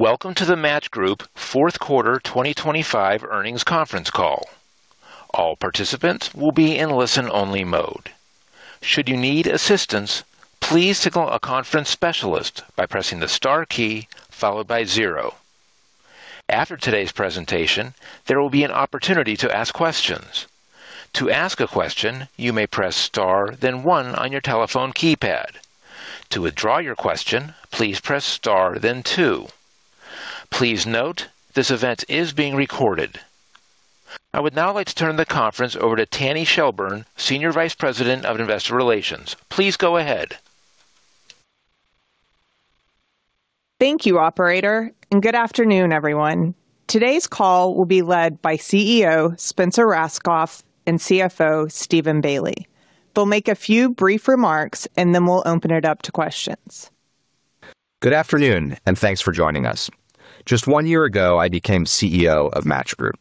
Welcome to the Match Group 4th Quarter 2025 earnings conference call. All participants will be in listen-only mode. Should you need assistance, please signal a conference specialist by pressing the star key followed by zero. After today's presentation, there will be an opportunity to ask questions. To ask a question, you may press star then one on your telephone keypad. To withdraw your question, please press star then two. Please note, this event is being recorded. I would now like to turn the conference over to Tanny Shelburne, Senior Vice President of Investor Relations. Please go ahead. Thank you, operator, and good afternoon, everyone. Today's call will be led by CEO Spencer Rascoff and CFO Steven Bailey. They'll make a few brief remarks, and then we'll open it up to questions. Good afternoon, and thanks for joining us. Just one year ago, I became CEO of Match Group.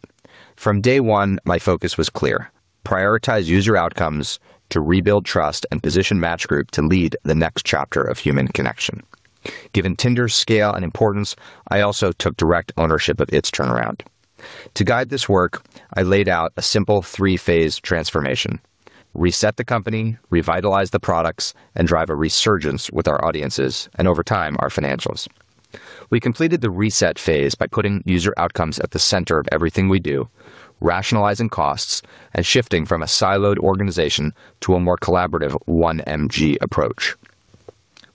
From day one, my focus was clear: prioritize user outcomes to rebuild trust and position Match Group to lead the next chapter of human connection. Given Tinder's scale and importance, I also took direct ownership of its turnaround. To guide this work, I laid out a simple three-phase transformation: reset the company, revitalize the products, and drive a resurgence with our audiences and, over time, our financials. We completed the reset phase by putting user outcomes at the center of everything we do, rationalizing costs, and shifting from a siloed organization to a more collaborative 1MG approach.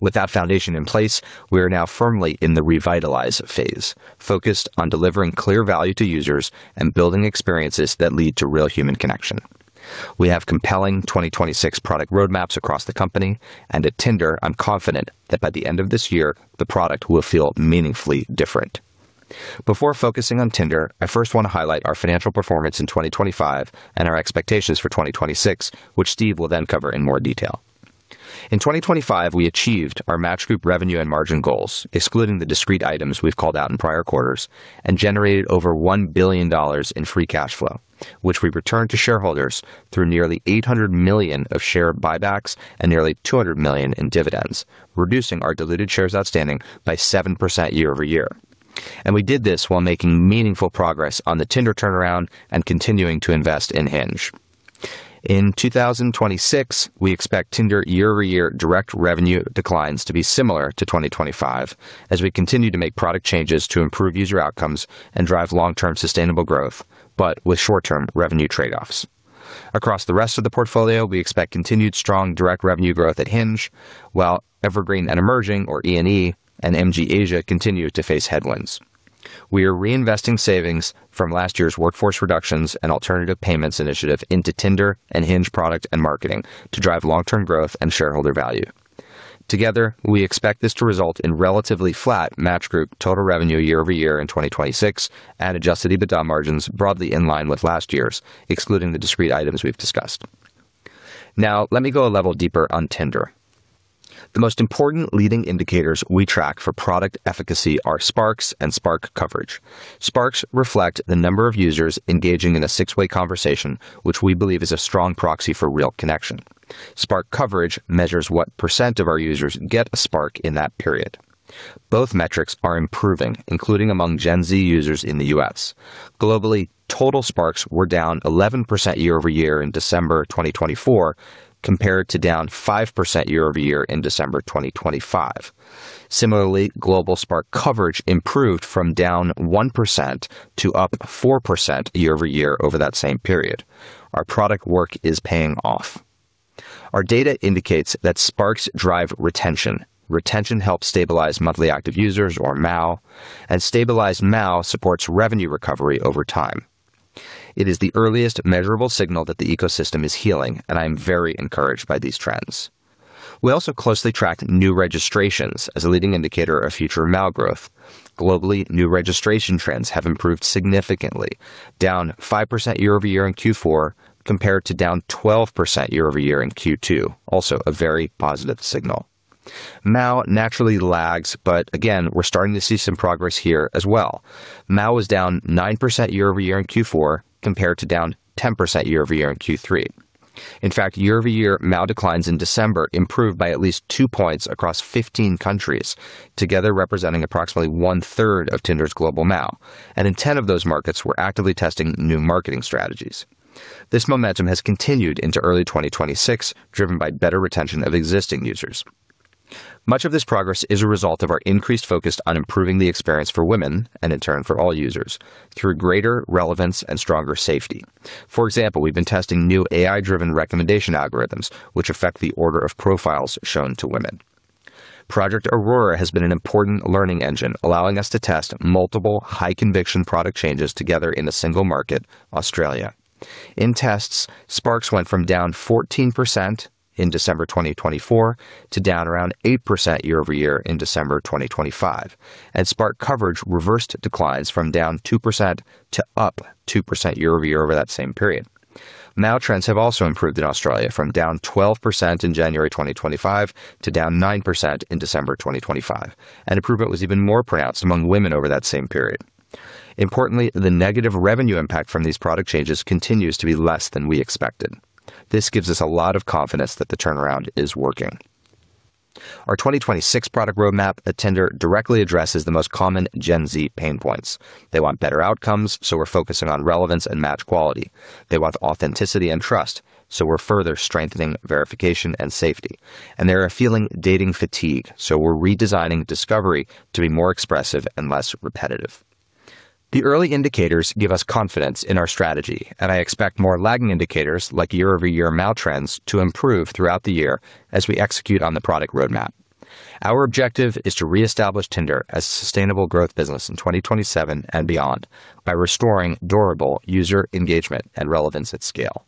With that foundation in place, we are now firmly in the revitalize phase, focused on delivering clear value to users and building experiences that lead to real human connection. We have compelling 2026 product roadmaps across the company, and at Tinder, I'm confident that by the end of this year, the product will feel meaningfully different. Before focusing on Tinder, I first want to highlight our financial performance in 2025 and our expectations for 2026, which Steve will then cover in more detail. In 2025, we achieved our Match Group revenue and margin goals, excluding the discrete items we've called out in prior quarters, and generated over $1 billion in free cash flow, which we returned to shareholders through nearly $800 million of share buybacks and nearly $200 million in dividends, reducing our diluted shares outstanding by 7% year-over-year. We did this while making meaningful progress on the Tinder turnaround and continuing to invest in Hinge. In 2026, we expect Tinder year-over-year direct revenue declines to be similar to 2025 as we continue to make product changes to improve user outcomes and drive long-term sustainable growth, but with short-term revenue trade-offs. Across the rest of the portfolio, we expect continued strong direct revenue growth at Hinge while Evergreen and Emerging, or E&E, and MG Asia continue to face headwinds. We are reinvesting savings from last year's workforce reductions and alternative payments initiative into Tinder and Hinge product and marketing to drive long-term growth and shareholder value. Together, we expect this to result in relatively flat Match Group total revenue year-over-year in 2026 and Adjusted EBITDA margins broadly in line with last year's, excluding the discrete items we've discussed. Now, let me go a level deeper on Tinder. The most important leading indicators we track for product efficacy are Sparks and Spark coverage. Sparks reflect the number of users engaging in a six-way conversation, which we believe is a strong proxy for real connection. Spark coverage measures what percent of our users get a Spark in that period. Both metrics are improving, including among Gen Z users in the U.S. Globally, total Sparks were down 11% year-over-year in December 2024 compared to down 5% year-over-year in December 2025. Similarly, global Spark coverage improved from down 1% to up 4% year-over-year over that same period. Our product work is paying off. Our data indicates that Sparks drive retention. Retention helps stabilize monthly active users, or MAU, and stabilized MAU supports revenue recovery over time. It is the earliest measurable signal that the ecosystem is healing, and I am very encouraged by these trends. We also closely track new registrations as a leading indicator of future MAU growth. Globally, new registration trends have improved significantly, down 5% year-over-year in Q4 compared to down 12% year-over-year in Q2, also a very positive signal. MAU naturally lags, but again, we're starting to see some progress here as well. MAU was down 9% year-over-year in Q4 compared to down 10% year-over-year in Q3. In fact, year-over-year, MAU declines in December, improved by at least 2 points across 15 countries, together representing approximately one-third of Tinder's global MAU, and in 10 of those markets, we're actively testing new marketing strategies. This momentum has continued into early 2026, driven by better retention of existing users. Much of this progress is a result of our increased focus on improving the experience for women and, in turn, for all users through greater relevance and stronger safety. For example, we've been testing new AI-driven recommendation algorithms, which affect the order of profiles shown to women. Project Aurora has been an important learning engine, allowing us to test multiple, high-conviction product changes together in a single market, Australia. In tests, Sparks went from down 14% in December 2024 to down around 8% year-over-year in December 2025, and Spark coverage reversed declines from down 2% to up 2% year-over-year over that same period. MAU trends have also improved in Australia from down 12% in January 2025 to down 9% in December 2025, and improvement was even more pronounced among women over that same period. Importantly, the negative revenue impact from these product changes continues to be less than we expected. This gives us a lot of confidence that the turnaround is working. Our 2026 product roadmap at Tinder directly addresses the most common Gen Z pain points. They want better outcomes, so we're focusing on relevance and match quality. They want authenticity and trust, so we're further strengthening verification and safety. They're feeling dating fatigue, so we're redesigning discovery to be more expressive and less repetitive. The early indicators give us confidence in our strategy, and I expect more lagging indicators like year-over-year MAU trends to improve throughout the year as we execute on the product roadmap. Our objective is to reestablish Tinder as a sustainable growth business in 2027 and beyond by restoring durable user engagement and relevance at scale.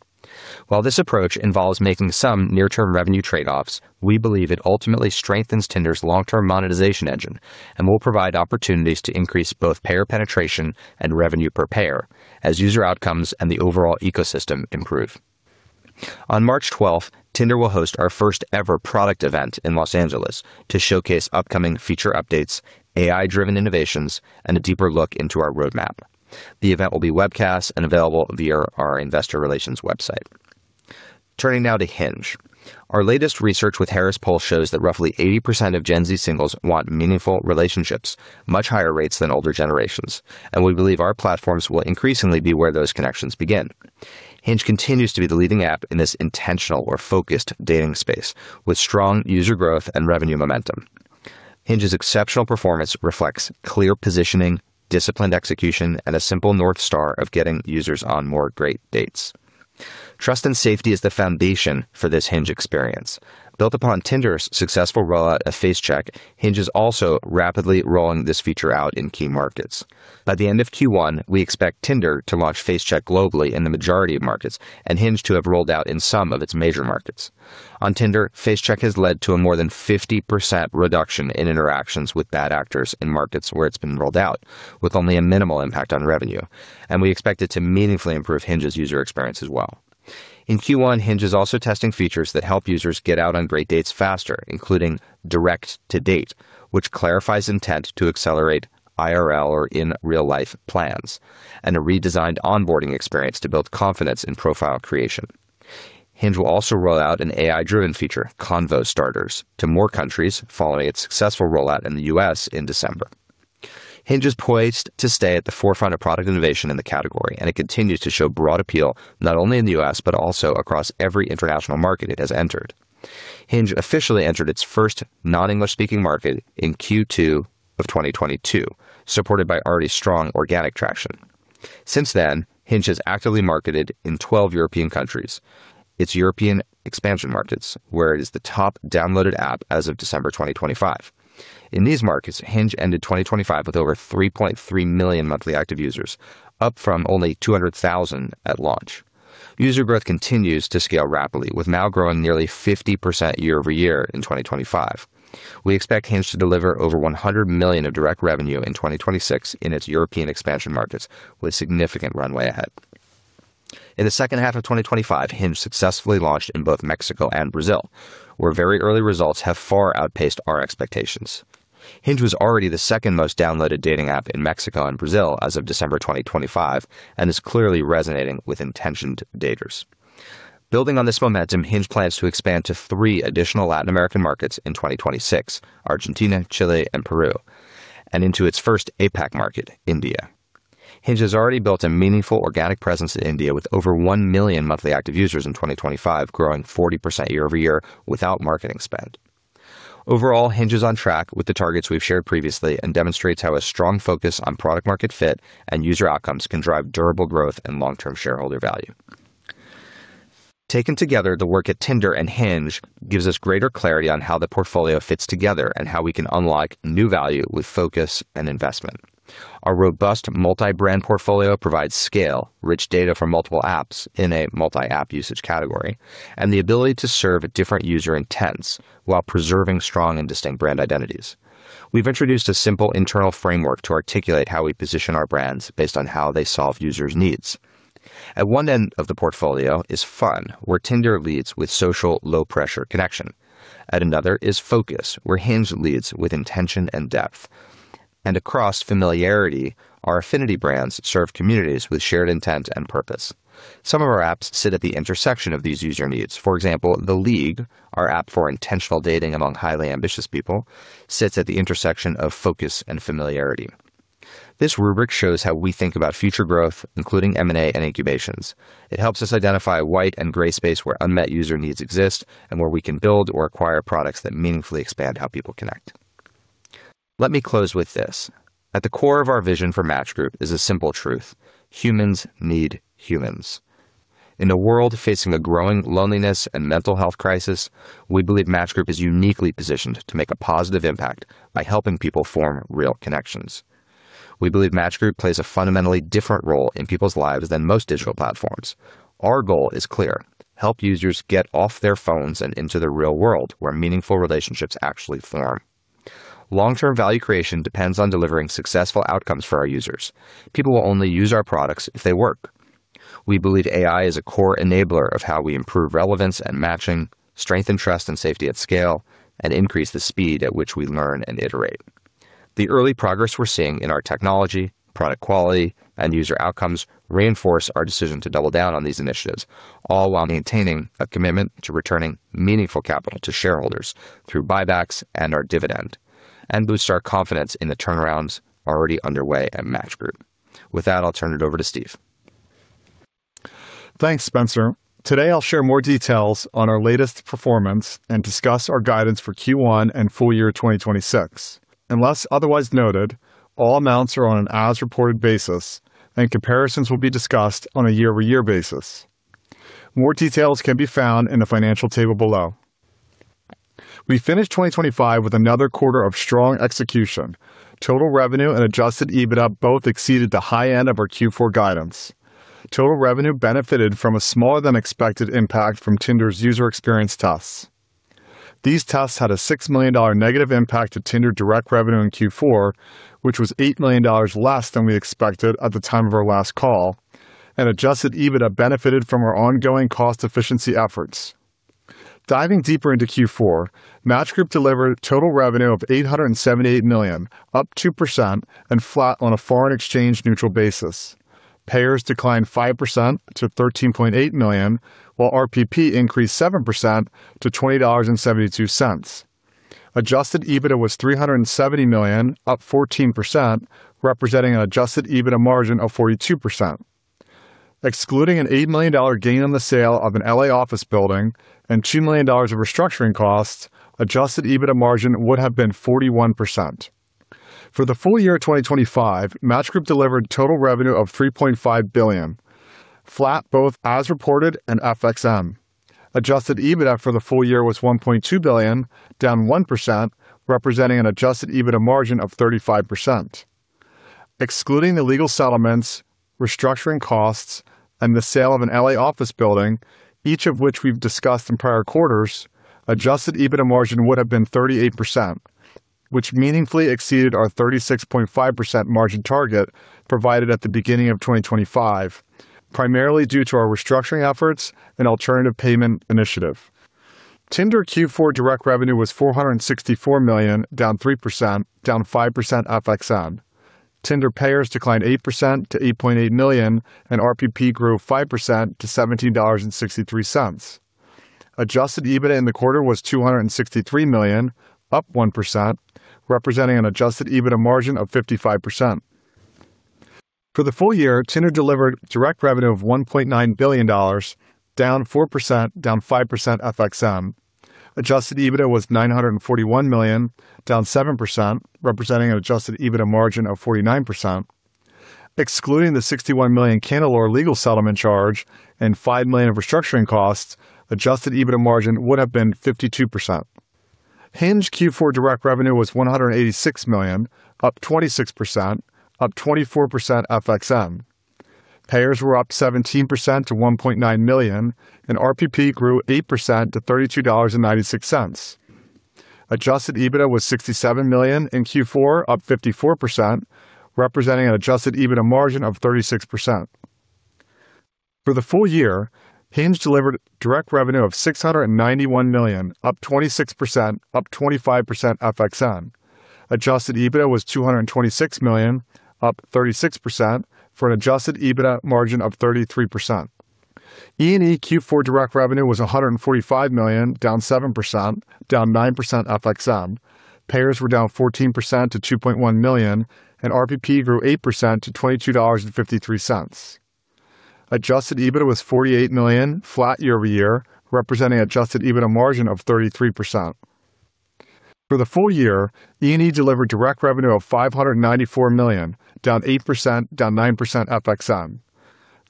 While this approach involves making some near-term revenue trade-offs, we believe it ultimately strengthens Tinder's long-term monetization engine and will provide opportunities to increase both payer penetration and revenue per payer as user outcomes and the overall ecosystem improve. On March 12th, Tinder will host our first-ever product event in Los Angeles to showcase upcoming feature updates, AI-driven innovations, and a deeper look into our roadmap. The event will be webcast and available via our investor relations website. Turning now to Hinge. Our latest research with Harris Poll shows that roughly 80% of Gen Z singles want meaningful relationships, much higher rates than older generations, and we believe our platforms will increasingly be where those connections begin. Hinge continues to be the leading app in this intentional or focused dating space with strong user growth and revenue momentum. Hinge's exceptional performance reflects clear positioning, disciplined execution, and a simple North Star of getting users on more great dates. Trust and safety is the foundation for this Hinge experience. Built upon Tinder's successful rollout of FaceCheck, Hinge is also rapidly rolling this feature out in key markets. By the end of Q1, we expect Tinder to launch FaceCheck globally in the majority of markets and Hinge to have rolled out in some of its major markets. On Tinder, FaceCheck has led to a more than 50% reduction in interactions with bad actors in markets where it's been rolled out, with only a minimal impact on revenue, and we expect it to meaningfully improve Hinge's user experience as well. In Q1, Hinge is also testing features that help users get out on great dates faster, including Direct to Date, which clarifies intent to accelerate IRL or in-real-life plans, and a redesigned onboarding experience to build confidence in profile creation. Hinge will also roll out an AI-driven feature, Convo Starters, to more countries following its successful rollout in the U.S. in December. Hinge is poised to stay at the forefront of product innovation in the category, and it continues to show broad appeal not only in the U.S. but also across every international market it has entered. Hinge officially entered its first non-English-speaking market in Q2 of 2022, supported by already strong organic traction. Since then, Hinge has actively marketed in 12 European countries. It's European expansion markets where it is the top downloaded app as of December 2025. In these markets, Hinge ended 2025 with over 3.3 million monthly active users, up from only 200,000 at launch. User growth continues to scale rapidly, with MAU growing nearly 50% year-over-year in 2025. We expect Hinge to deliver over $100 million of direct revenue in 2026 in its European expansion markets, with significant runway ahead. In the second half of 2025, Hinge successfully launched in both Mexico and Brazil, where very early results have far outpaced our expectations. Hinge was already the second most downloaded dating app in Mexico and Brazil as of December 2025 and is clearly resonating with intentioned daters. Building on this momentum, Hinge plans to expand to three additional Latin American markets in 2026: Argentina, Chile, and Peru, and into its first APAC market, India. Hinge has already built a meaningful organic presence in India with over 1 million monthly active users in 2025, growing 40% year-over-year without marketing spend. Overall, Hinge is on track with the targets we've shared previously and demonstrates how a strong focus on product-market fit and user outcomes can drive durable growth and long-term shareholder value. Taken together, the work at Tinder and Hinge gives us greater clarity on how the portfolio fits together and how we can unlock new value with focus and investment. Our robust multi-brand portfolio provides scale, rich data for multiple apps in a multi-app usage category, and the ability to serve different user intents while preserving strong and distinct brand identities. We've introduced a simple internal framework to articulate how we position our brands based on how they solve users' needs. At one end of the portfolio is fun, where Tinder leads with social, low-pressure connection. At another is focus, where Hinge leads with intention and depth. And across familiarity, our Affinity brands serve communities with shared intent and purpose. Some of our apps sit at the intersection of these user needs. For example, The League, our app for intentional dating among highly ambitious people, sits at the intersection of focus and familiarity. This rubric shows how we think about future growth, including M&A and incubations. It helps us identify white and gray space where unmet user needs exist and where we can build or acquire products that meaningfully expand how people connect. Let me close with this. At the core of our vision for Match Group is a simple truth: humans need humans. In a world facing a growing loneliness and mental health crisis, we believe Match Group is uniquely positioned to make a positive impact by helping people form real connections. We believe Match Group plays a fundamentally different role in people's lives than most digital platforms. Our goal is clear: help users get off their phones and into the real world, where meaningful relationships actually form. Long-term value creation depends on delivering successful outcomes for our users. People will only use our products if they work. We believe AI is a core enabler of how we improve relevance and matching, strengthen trust and safety at scale, and increase the speed at which we learn and iterate. The early progress we're seeing in our technology, product quality, and user outcomes reinforce our decision to double down on these initiatives, all while maintaining a commitment to returning meaningful capital to shareholders through buybacks and our dividend, and boost our confidence in the turnarounds already underway at Match Group. With that, I'll turn it over to Steve. Thanks, Spencer. Today, I'll share more details on our latest performance and discuss our guidance for Q1 and full year 2026. Unless otherwise noted, all amounts are on an as-reported basis, and comparisons will be discussed on a year-over-year basis. More details can be found in the financial table below. We finished 2025 with another quarter of strong execution. Total revenue and Adjusted EBITDA both exceeded the high end of our Q4 guidance. Total revenue benefited from a smaller-than-expected impact from Tinder's user experience tests. These tests had a $6 million negative impact to Tinder direct revenue in Q4, which was $8 million less than we expected at the time of our last call, and Adjusted EBITDA benefited from our ongoing cost efficiency efforts. Diving deeper into Q4, Match Group delivered total revenue of $878 million, up 2% and flat on a foreign exchange neutral basis. Payers declined 5% to $13.8 million, while RPP increased 7% to $20.72. Adjusted EBITDA was $370 million, up 14%, representing an Adjusted EBITDA margin of 42%. Excluding an $8 million gain on the sale of an L.A. office building and $2 million of restructuring costs, Adjusted EBITDA margin would have been 41%. For the full year 2025, Match Group delivered total revenue of $3.5 billion, flat both as-reported and FXN. Adjusted EBITDA for the full year was $1.2 billion, down 1%, representing an Adjusted EBITDA margin of 35%. Excluding the legal settlements, restructuring costs, and the sale of an L.A. office building, each of which we've discussed in prior quarters, Adjusted EBITDA margin would have been 38%, which meaningfully exceeded our 36.5% margin target provided at the beginning of 2025, primarily due to our restructuring efforts and alternative payment initiative. Tinder Q4 direct revenue was $464 million, down 3%, down 5% FXN. Tinder payers declined 8% to 8.8 million, and RPP grew 5% to $17.63. Adjusted EBITDA in the quarter was $263 million, up 1%, representing an Adjusted EBITDA margin of 55%. For the full year, Tinder delivered direct revenue of $1.9 billion, down 4%, down 5% FXN. Adjusted EBITDA was $941 million, down 7%, representing an Adjusted EBITDA margin of 49%. Excluding the $61 million Candelore legal settlement charge and $5 million of restructuring costs, Adjusted EBITDA margin would have been 52%. Hinge Q4 direct revenue was $186 million, up 26%, up 24% FXN. Payers were up 17% to 1.9 million, and RPP grew 8% to $32.96. Adjusted EBITDA was $67 million in Q4, up 54%, representing an Adjusted EBITDA margin of 36%. For the full year, Hinge delivered direct revenue of $691 million, up 26%, up 25% FXN. Adjusted EBITDA was $226 million, up 36%, for an Adjusted EBITDA margin of 33%. E&E Q4 direct revenue was $145 million, down 7%, down 9% FXN. Payers were down 14% to $2.1 million, and RPP grew 8% to $22.53. Adjusted EBITDA was $48 million, flat year-over-year, representing an Adjusted EBITDA margin of 33%. For the full year, E&E delivered direct revenue of $594 million, down 8%, down 9% FXN.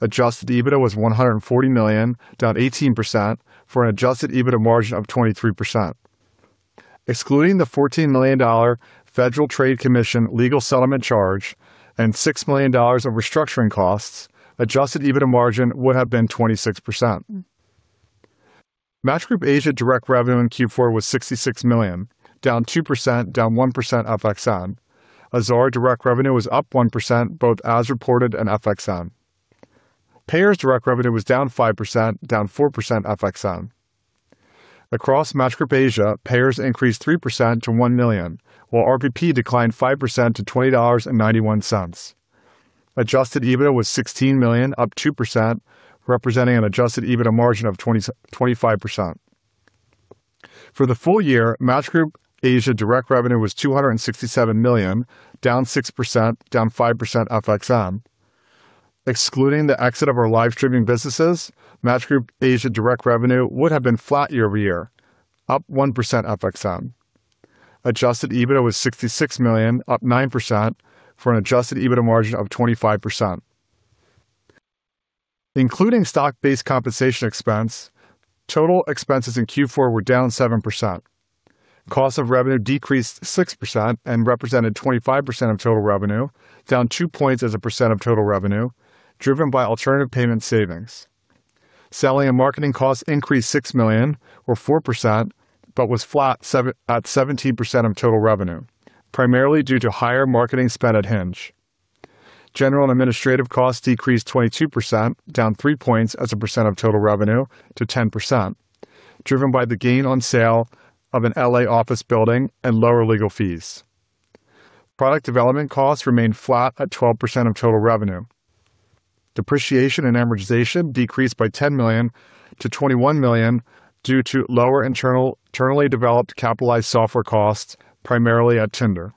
Adjusted EBITDA was $140 million, down 18%, for an Adjusted EBITDA margin of 23%. Excluding the $14 million Federal Trade Commission legal settlement charge and $6 million of restructuring costs, Adjusted EBITDA margin would have been 26%. Match Group Asia direct revenue in Q4 was $66 million, down 2%, down 1% FXN. Azar direct revenue was up 1%, both as-reported and FXN. Payers direct revenue was down 5%, down 4% FXN. Across Match Group Asia, payers increased 3% to $1 million, while RPP declined 5% to $20.91. Adjusted EBITDA was $16 million, up 2%, representing an Adjusted EBITDA margin of 25%. For the full year, Match Group Asia direct revenue was $267 million, down 6%, down 5% FXN. Excluding the exit of our live-streaming businesses, Match Group Asia direct revenue would have been flat year-over-year, up 1% FXN. Adjusted EBITDA was $66 million, up 9%, for an Adjusted EBITDA margin of 25%. Including stock-based compensation expense, total expenses in Q4 were down 7%. Cost of revenue decreased 6% and represented 25% of total revenue, down 2 points as a percent of total revenue, driven by alternative payment savings. Selling and marketing costs increased $6 million, or 4%, but was flat at 17% of total revenue, primarily due to higher marketing spend at Hinge. General and administrative costs decreased 22%, down 3 points as a percent of total revenue, to 10%, driven by the gain on sale of an L.A. office building and lower legal fees. Product development costs remained flat at 12% of total revenue. Depreciation and amortization decreased by $10 million to $21 million due to lower internally developed capitalized software costs, primarily at Tinder.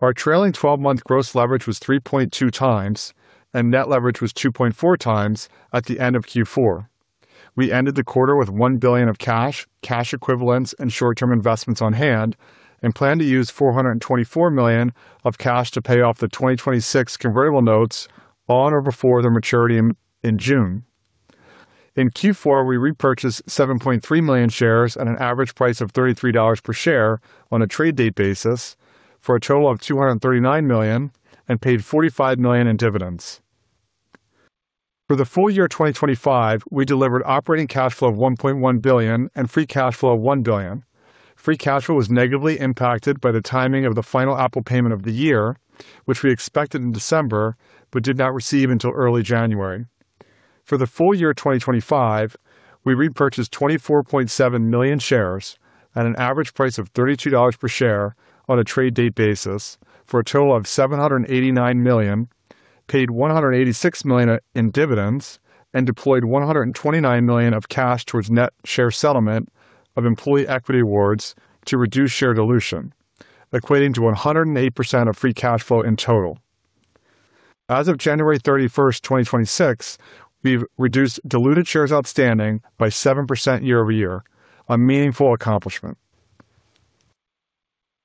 Our trailing 12-month gross leverage was 3.2 times, and net leverage was 2.4 times at the end of Q4. We ended the quarter with $1 billion of cash, cash equivalents, and short-term investments on hand, and plan to use $424 million of cash to pay off the 2026 convertible notes on or before their maturity in June. In Q4, we repurchased 7.3 million shares at an average price of $33 per share on a trade date basis, for a total of $239 million, and paid $45 million in dividends. For the full year 2025, we delivered operating cash flow of $1.1 billion and free cash flow of $1 billion. Free cash flow was negatively impacted by the timing of the final Apple payment of the year, which we expected in December but did not receive until early January. For the full year 2025, we repurchased 24.7 million shares at an average price of $32 per share on a trade date basis, for a total of $789 million, paid $186 million in dividends, and deployed $129 million of cash towards net share settlement of employee equity awards to reduce share dilution, equating to 108% of free cash flow in total. As of January 31, 2026, we've reduced diluted shares outstanding by 7% year-over-year, a meaningful accomplishment.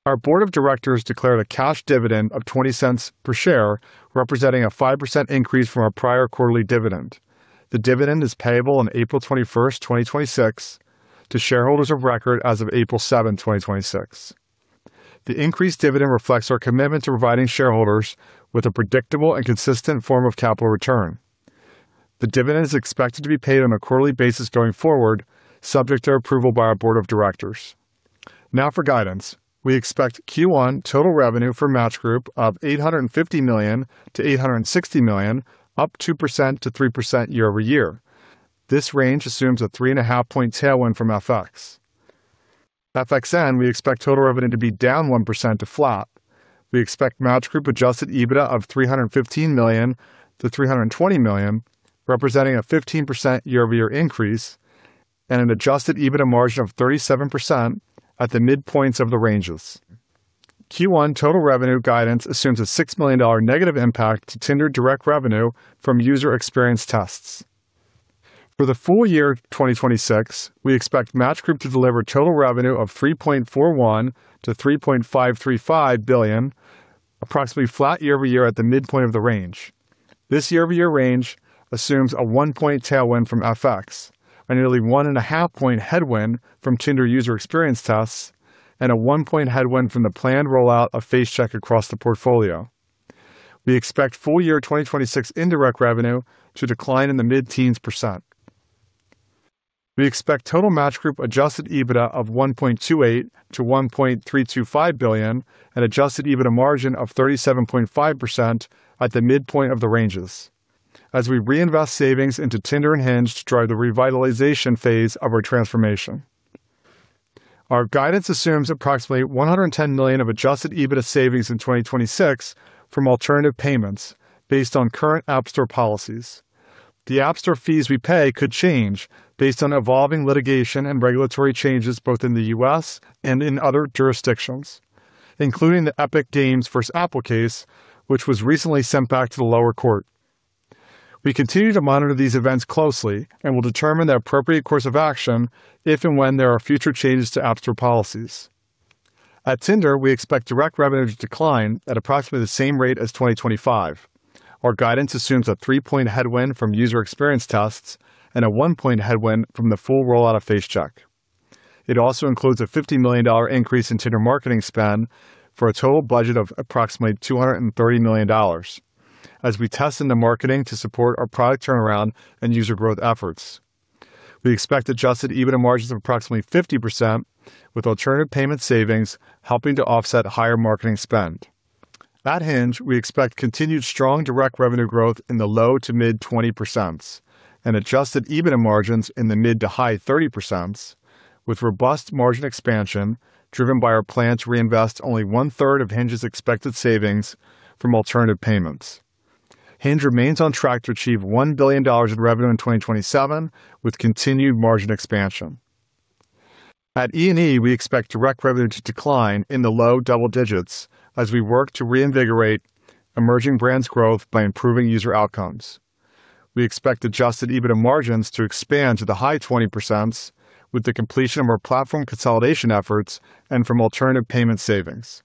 Our board of directors declared a cash dividend of $0.20 per share, representing a 5% increase from our prior quarterly dividend. The dividend is payable on April 21, 2026, to shareholders of record as of April 7, 2026. The increased dividend reflects our commitment to providing shareholders with a predictable and consistent form of capital return. The dividend is expected to be paid on a quarterly basis going forward, subject to approval by our board of directors. Now for guidance: we expect Q1 total revenue for Match Group of $850 million-$860 million, up 2%-3% year-over-year. This range assumes a 3.5-point tailwind from FX. FXN, we expect total revenue to be down 1% to flat. We expect Match Group Adjusted EBITDA of $315 million-$320 million, representing a 15% year-over-year increase, and an Adjusted EBITDA margin of 37% at the midpoints of the ranges. Q1 total revenue guidance assumes a $6 million negative impact to Tinder direct revenue from user experience tests. For the full year 2026, we expect Match Group to deliver total revenue of $3.41-$3.535 billion, approximately flat year-over-year at the midpoint of the range. This year-over-year range assumes a 1-point tailwind from FX, a nearly 1.5-point headwind from Tinder user experience tests, and a 1-point headwind from the planned rollout of FaceCheck across the portfolio. We expect full year 2026 indirect revenue to decline in the mid-teens %. We expect total Match Group Adjusted EBITDA of $1.28-$1.325 billion and Adjusted EBITDA margin of 37.5% at the midpoint of the ranges, as we reinvest savings into Tinder and Hinge to drive the revitalization phase of our transformation. Our guidance assumes approximately $110 million of Adjusted EBITDA savings in 2026 from alternative payments, based on current App Store policies. The App Store fees we pay could change based on evolving litigation and regulatory changes both in the U.S. and in other jurisdictions, including the Epic Games vs. Apple case, which was recently sent back to the lower court. We continue to monitor these events closely and will determine the appropriate course of action if and when there are future changes to App Store policies. At Tinder, we expect direct revenue to decline at approximately the same rate as 2025. Our guidance assumes a 3-point headwind from user experience tests and a 1-point headwind from the full rollout of FaceCheck. It also includes a $50 million increase in Tinder marketing spend for a total budget of approximately $230 million, as we test in the marketing to support our product turnaround and user growth efforts. We expect Adjusted EBITDA margins of approximately 50%, with alternative payment savings helping to offset higher marketing spend. At Hinge, we expect continued strong direct revenue growth in the low-to-mid-20% and Adjusted EBITDA margins in the mid-to-high-30%, with robust margin expansion driven by our plan to reinvest only one-third of Hinge's expected savings from alternative payments. Hinge remains on track to achieve $1 billion in revenue in 2027 with continued margin expansion. At E&E, we expect direct revenue to decline in the low double digits as we work to reinvigorate emerging brands' growth by improving user outcomes. We expect Adjusted EBITDA margins to expand to the high 20s% with the completion of our platform consolidation efforts and from alternative payment savings.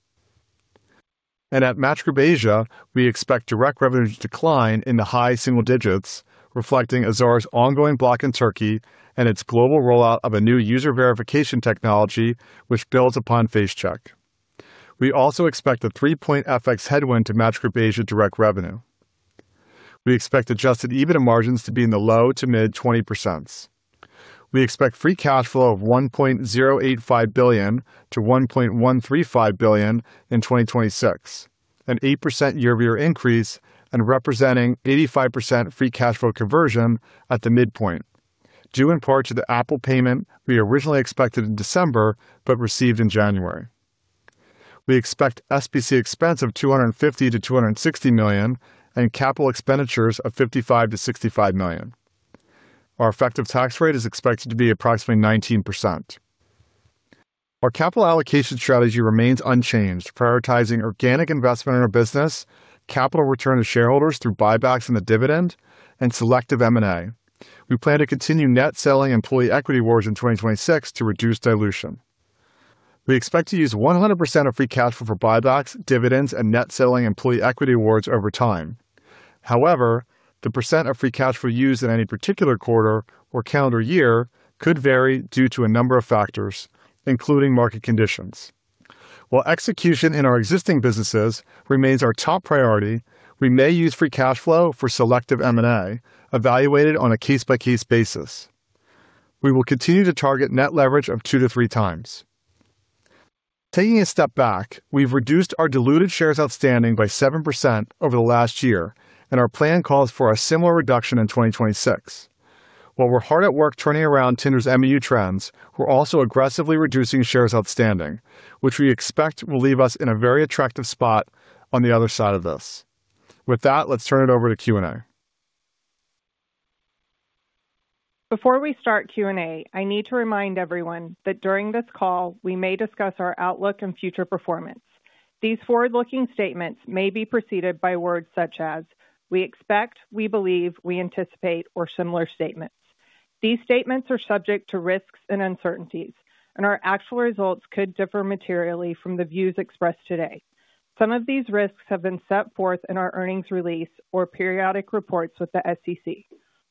At Match Group Asia, we expect direct revenue to decline in the high single digits, reflecting Azar's ongoing block in Turkey and its global rollout of a new user verification technology which builds upon FaceCheck. We also expect a 3-point FX headwind to Match Group Asia direct revenue. We expect Adjusted EBITDA margins to be in the low to mid-20s%. We expect free cash flow of $1.085 billion-$1.135 billion in 2026, an 8% year-over-year increase and representing 85% free cash flow conversion at the midpoint, due in part to the Apple payment we originally expected in December but received in January. We expect SBC expense of $250 million-$260 million and capital expenditures of $55 million-$65 million. Our effective tax rate is expected to be approximately 19%. Our capital allocation strategy remains unchanged, prioritizing organic investment in our business, capital return to shareholders through buybacks in the dividend, and selective M&A. We plan to continue net selling employee equity awards in 2026 to reduce dilution. We expect to use 100% of free cash flow for buybacks, dividends, and net selling employee equity awards over time. However, the % of free cash flow used in any particular quarter or calendar year could vary due to a number of factors, including market conditions. While execution in our existing businesses remains our top priority, we may use free cash flow for selective M&A, evaluated on a case-by-case basis. We will continue to target net leverage of 2-3 times. Taking a step back, we've reduced our diluted shares outstanding by 7% over the last year, and our plan calls for a similar reduction in 2026. While we're hard at work turning around Tinder's MAU trends, we're also aggressively reducing shares outstanding, which we expect will leave us in a very attractive spot on the other side of this. With that, let's turn it over to Q&A. Before we start Q&A, I need to remind everyone that during this call we may discuss our outlook and future performance. These forward-looking statements may be preceded by words such as "we expect," "we believe," "we anticipate," or similar statements. These statements are subject to risks and uncertainties, and our actual results could differ materially from the views expressed today. Some of these risks have been set forth in our earnings release or periodic reports with the SEC.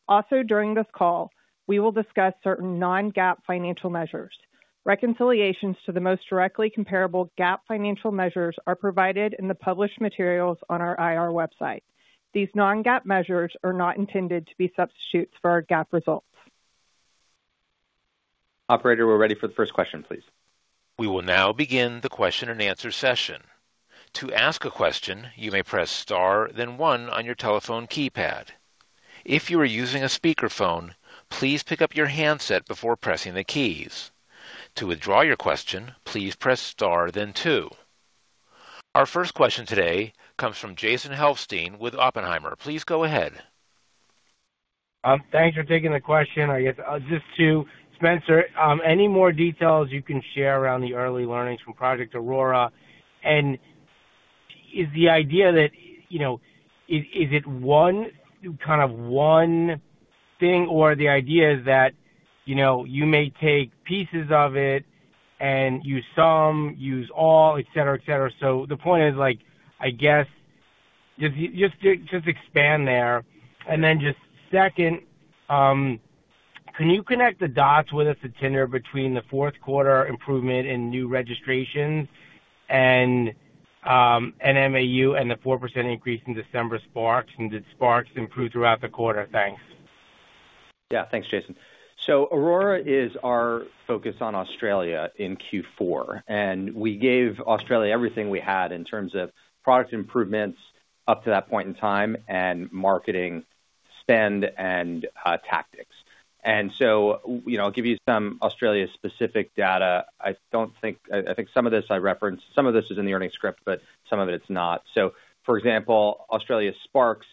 Also, during this call, we will discuss certain Non-GAAP financial measures. Reconciliations to the most directly comparable GAAP financial measures are provided in the published materials on our IR website. These Non-GAAP measures are not intended to be substitutes for our GAAP results. Operator, we're ready for the first question, please. We will now begin the question-and-answer session. To ask a question, you may press star then one on your telephone keypad. If you are using a speakerphone, please pick up your handset before pressing the keys. To withdraw your question, please press star then two. Our first question today comes from Jason Helfstein with Oppenheimer. Please go ahead. Thanks for taking the question. I guess just to Spencer, any more details you can share around the early learnings from Project Aurora? And is the idea that is it kind of one thing, or the idea is that you may take pieces of it and use some, use all, etc., etc.? So the point is, I guess, just expand there. And then just second, can you connect the dots with us at Tinder between the fourth-quarter improvement in new registrations and MAU and the 4% increase in December Sparks, and did Sparks improve throughout the quarter? Thanks. Yeah. Thanks, Jason. So Aurora is our focus on Australia in Q4, and we gave Australia everything we had in terms of product improvements up to that point in time and marketing spend and tactics. And so I'll give you some Australia-specific data. I think some of this I referenced. Some of this is in the earnings script, but some of it it's not. So, for example, Australia Sparks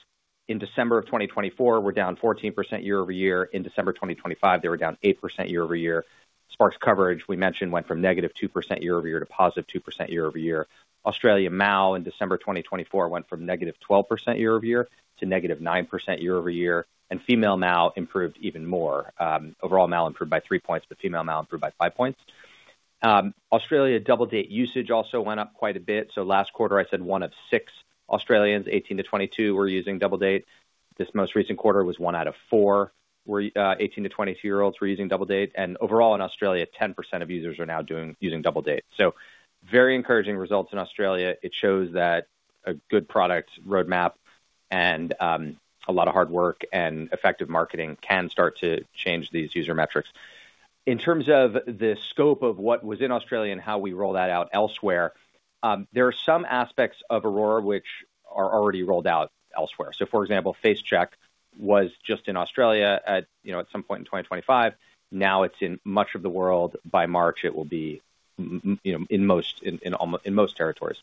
in December of 2024, we're down 14% year-over-year. In December 2025, they were down 8% year-over-year. Sparks coverage, we mentioned, went from -2% year-over-year to +2% year-over-year. Australia MAU in December 2024 went from -12% year-over-year to -9% year-over-year, and female MAU improved even more. Overall, MAU improved by 3 points, but female MAU improved by five points. Australia Double Date usage also went up quite a bit. So last quarter, I said one of six Australians, 18-22, were using Double Date. This most recent quarter was one out of four 18-22-year-olds were using Double Date. And overall, in Australia, 10% of users are now using Double Date. So very encouraging results in Australia. It shows that a good product roadmap and a lot of hard work and effective marketing can start to change these user metrics. In terms of the scope of what was in Australia and how we roll that out elsewhere, there are some aspects of Aurora which are already rolled out elsewhere. So, for example, FaceCheck was just in Australia at some point in 2025. Now it's in much of the world. By March, it will be in most territories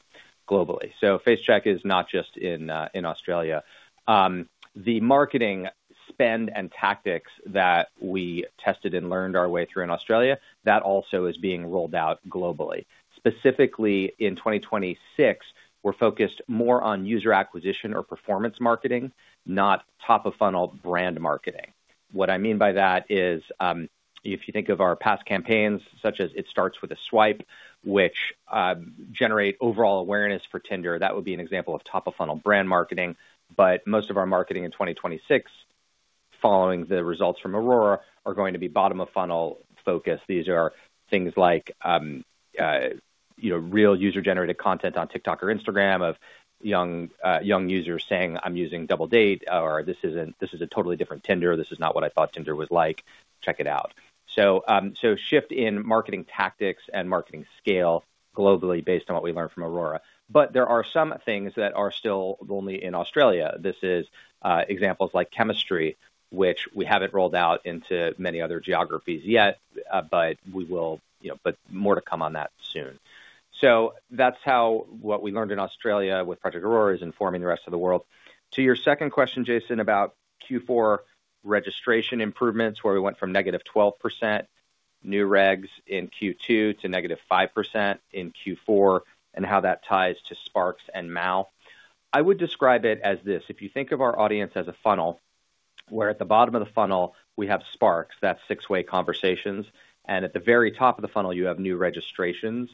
globally. So FaceCheck is not just in Australia. The marketing spend and tactics that we tested and learned our way through in Australia, that also is being rolled out globally. Specifically, in 2026, we're focused more on user acquisition or performance marketing, not top-of-funnel brand marketing. What I mean by that is, if you think of our past campaigns such as "It Starts With a Swipe," which generate overall awareness for Tinder, that would be an example of top-of-funnel brand marketing. But most of our marketing in 2026, following the results from Aurora, are going to be bottom-of-funnel focused. These are things like real user-generated content on TikTok or Instagram of young users saying, "I'm using Double Date," or, "This is a totally different Tinder. This is not what I thought Tinder was like. Check it out." So shift in marketing tactics and marketing scale globally based on what we learned from Aurora. But there are some things that are still only in Australia. This is examples like chemistry, which we haven't rolled out into many other geographies yet, but we will, but more to come on that soon. So that's how what we learned in Australia with Project Aurora is informing the rest of the world. To your second question, Jason, about Q4 registration improvements, where we went from negative 12% new regs in Q2 to negative 5% in Q4, and how that ties to Sparks and MAU, I would describe it as this: if you think of our audience as a funnel, where at the bottom of the funnel we have Sparks, that's six-way conversations, and at the very top of the funnel you have new registrations,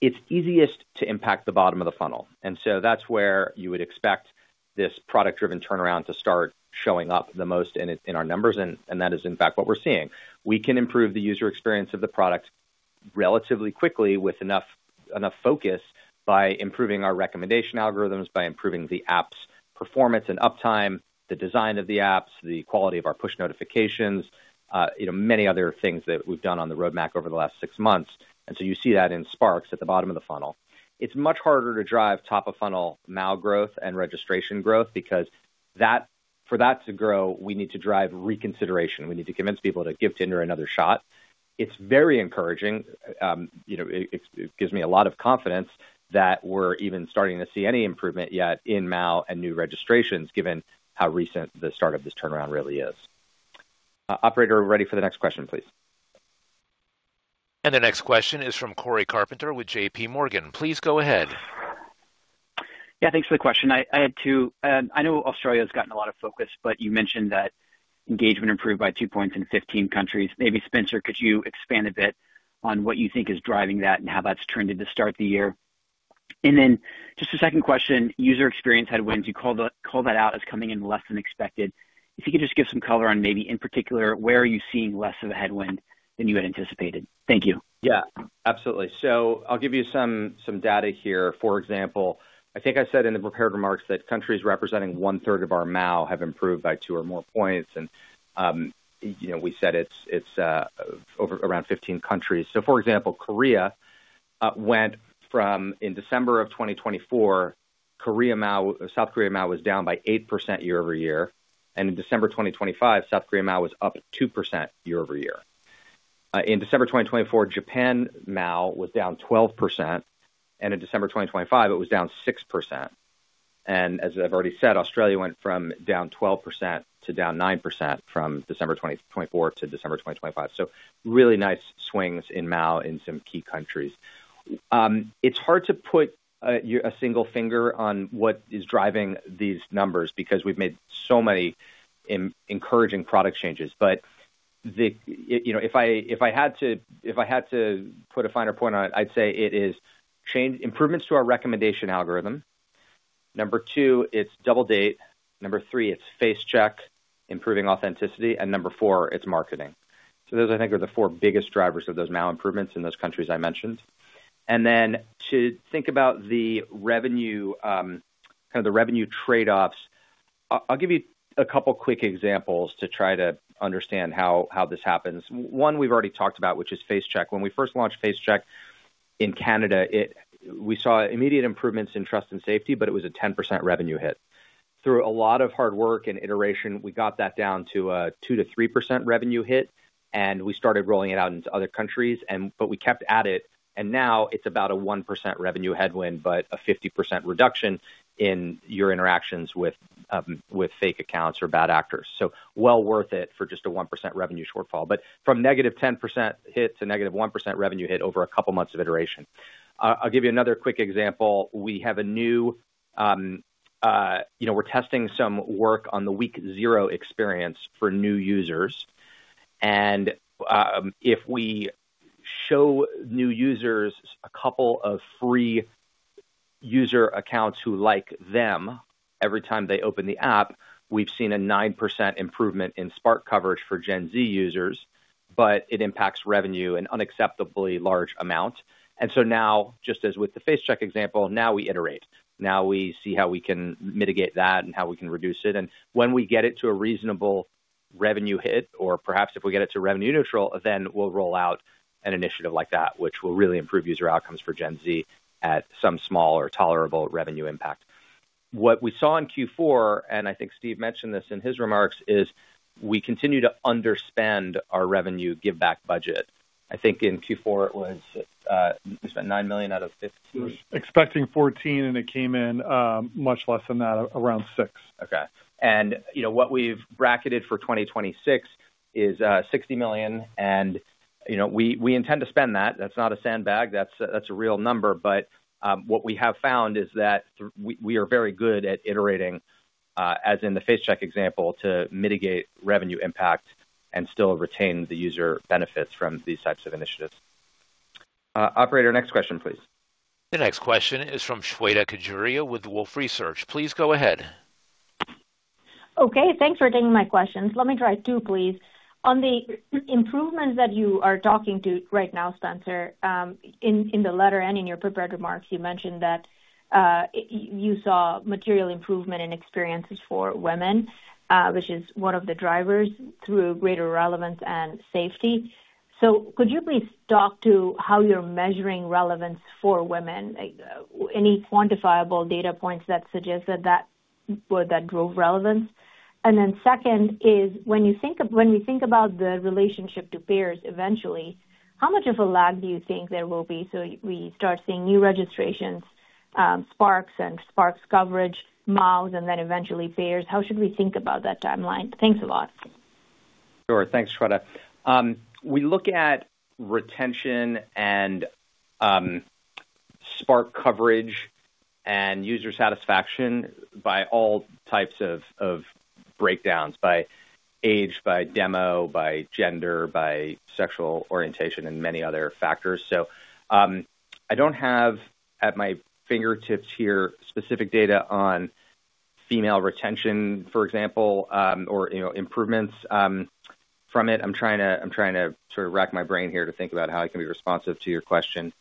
it's easiest to impact the bottom of the funnel. And so that's where you would expect this product-driven turnaround to start showing up the most in our numbers, and that is, in fact, what we're seeing. We can improve the user experience of the product relatively quickly with enough focus by improving our recommendation algorithms, by improving the app's performance and uptime, the design of the apps, the quality of our push notifications, many other things that we've done on the roadmap over the last six months. And so you see that in Sparks at the bottom of the funnel. It's much harder to drive top-of-funnel MAU growth and registration growth because for that to grow, we need to drive reconsideration. We need to convince people to give Tinder another shot. It's very encouraging. It gives me a lot of confidence that we're even starting to see any improvement yet in MAU and new registrations, given how recent the start of this turnaround really is. Operator, ready for the next question, please. The next question is from Cory Carpenter with JPMorgan. Please go ahead. Yeah. Thanks for the question. I had two. I know Australia has gotten a lot of focus, but you mentioned that engagement improved by two points in 15 countries. Maybe, Spencer, could you expand a bit on what you think is driving that and how that's turned into the start of the year? And then just a second question: user experience headwinds. You call that out as coming in less than expected. If you could just give some color on maybe, in particular, where are you seeing less of a headwind than you had anticipated? Thank you. Yeah. Absolutely. So I'll give you some data here. For example, I think I said in the prepared remarks that countries representing one-third of our MAU have improved by two or more points. We said it's around 15 countries. So, for example, Korea went from in December of 2024, South Korea MAU was down by 8% year-over-year. And in December 2025, South Korea MAU was up 2% year-over-year. In December 2024, Japan MAU was down 12%. And in December 2025, it was down 6%. And as I've already said, Australia went from down 12% to down 9% from December 2024 to December 2025. So really nice swings in MAU in some key countries. It's hard to put a single finger on what is driving these numbers because we've made so many encouraging product changes. But if I had to put a finer point on it, I'd say it is improvements to our recommendation algorithm. Number 2, it's Double Date. Number 3, it's FaceCheck, improving authenticity. And number 4, it's marketing. So those, I think, are the four biggest drivers of those MAU improvements in those countries I mentioned. And then to think about kind of the revenue trade-offs, I'll give you a couple quick examples to try to understand how this happens. One, we've already talked about, which is FaceCheck. When we first launched FaceCheck in Canada, we saw immediate improvements in trust and safety, but it was a 10% revenue hit. Through a lot of hard work and iteration, we got that down to a 2%-3% revenue hit, and we started rolling it out into other countries. But we kept at it, and now it's about a 1% revenue headwind but a 50% reduction in your interactions with fake accounts or bad actors. So well worth it for just a 1% revenue shortfall. But from -10% hit to -1% revenue hit over a couple months of iteration. I'll give you another quick example. We're testing some work on the week zero experience for new users. And if we show new users a couple of free user accounts who like them every time they open the app, we've seen a 9% improvement in Spark coverage for Gen Z users, but it impacts revenue an unacceptably large amount. And so now, just as with the FaceCheck example, now we iterate. Now we see how we can mitigate that and how we can reduce it. When we get it to a reasonable revenue hit or perhaps if we get it to revenue neutral, then we'll roll out an initiative like that, which will really improve user outcomes for Gen Z at some small or tolerable revenue impact. What we saw in Q4, and I think Steve mentioned this in his remarks, is we continue to underspend our revenue give-back budget. I think in Q4, it was we spent $9 million out of $15 million. Expecting 14, and it came in much less than that, around 6. Okay. And what we've bracketed for 2026 is $60 million, and we intend to spend that. That's not a sandbag. That's a real number. But what we have found is that we are very good at iterating, as in the FaceCheck example, to mitigate revenue impact and still retain the user benefits from these types of initiatives. Operator, next question, please. The next question is from Shweta Khajuria with Wolfe Research. Please go ahead. Okay. Thanks for taking my questions. Let me try two, please. On the improvements that you are talking to right now, Spencer, in the letter and in your prepared remarks, you mentioned that you saw material improvement in experiences for women, which is one of the drivers through greater relevance and safety. So could you please talk to how you're measuring relevance for women? Any quantifiable data points that suggest that that drove relevance? And then second is, when we think about the relationship to payers eventually, how much of a lag do you think there will be? So we start seeing new registrations, Sparks and Sparks coverage, MAUs, and then eventually payers. How should we think about that timeline? Thanks a lot. Sure. Thanks, Shweta. We look at retention and Spark coverage and user satisfaction by all types of breakdowns: by age, by demo, by gender, by sexual orientation, and many other factors. So I don't have at my fingertips here specific data on female retention, for example, or improvements from it. I'm trying to sort of rack my brain here to think about how I can be responsive to your question.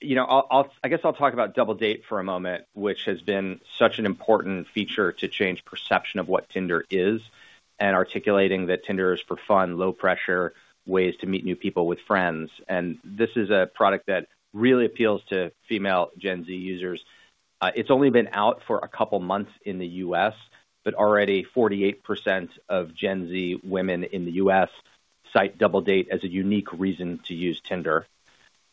I guess I'll talk about Double Date for a moment, which has been such an important feature to change perception of what Tinder is and articulating that Tinder is for fun, low-pressure ways to meet new people with friends. This is a product that really appeals to female Gen Z users. It's only been out for a couple months in the U.S., but already 48% of Gen Z women in the U.S. cite Double Date as a unique reason to use Tinder.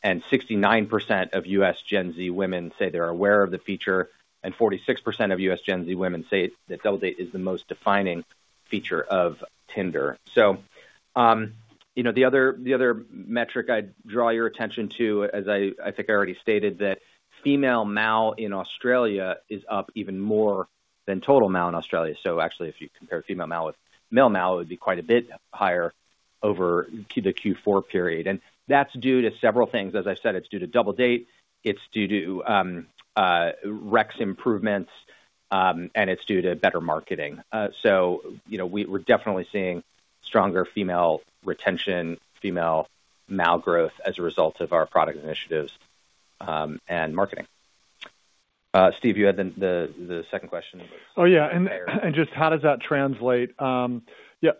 And 69% of U.S. Gen Z women say they're aware of the feature, and 46% of U.S. Gen Z women say that Double Date is the most defining feature of Tinder. So the other metric I'd draw your attention to, as I think I already stated, that female MAU in Australia is up even more than total MAU in Australia. So actually, if you compare female MAU with male MAU, it would be quite a bit higher over the Q4 period. And that's due to several things. As I said, it's due to Double Date. It's due to recs improvements, and it's due to better marketing. We're definitely seeing stronger female retention, female MAU growth as a result of our product initiatives and marketing. Steve, you had the second question. Oh, yeah. And just how does that translate? Yeah.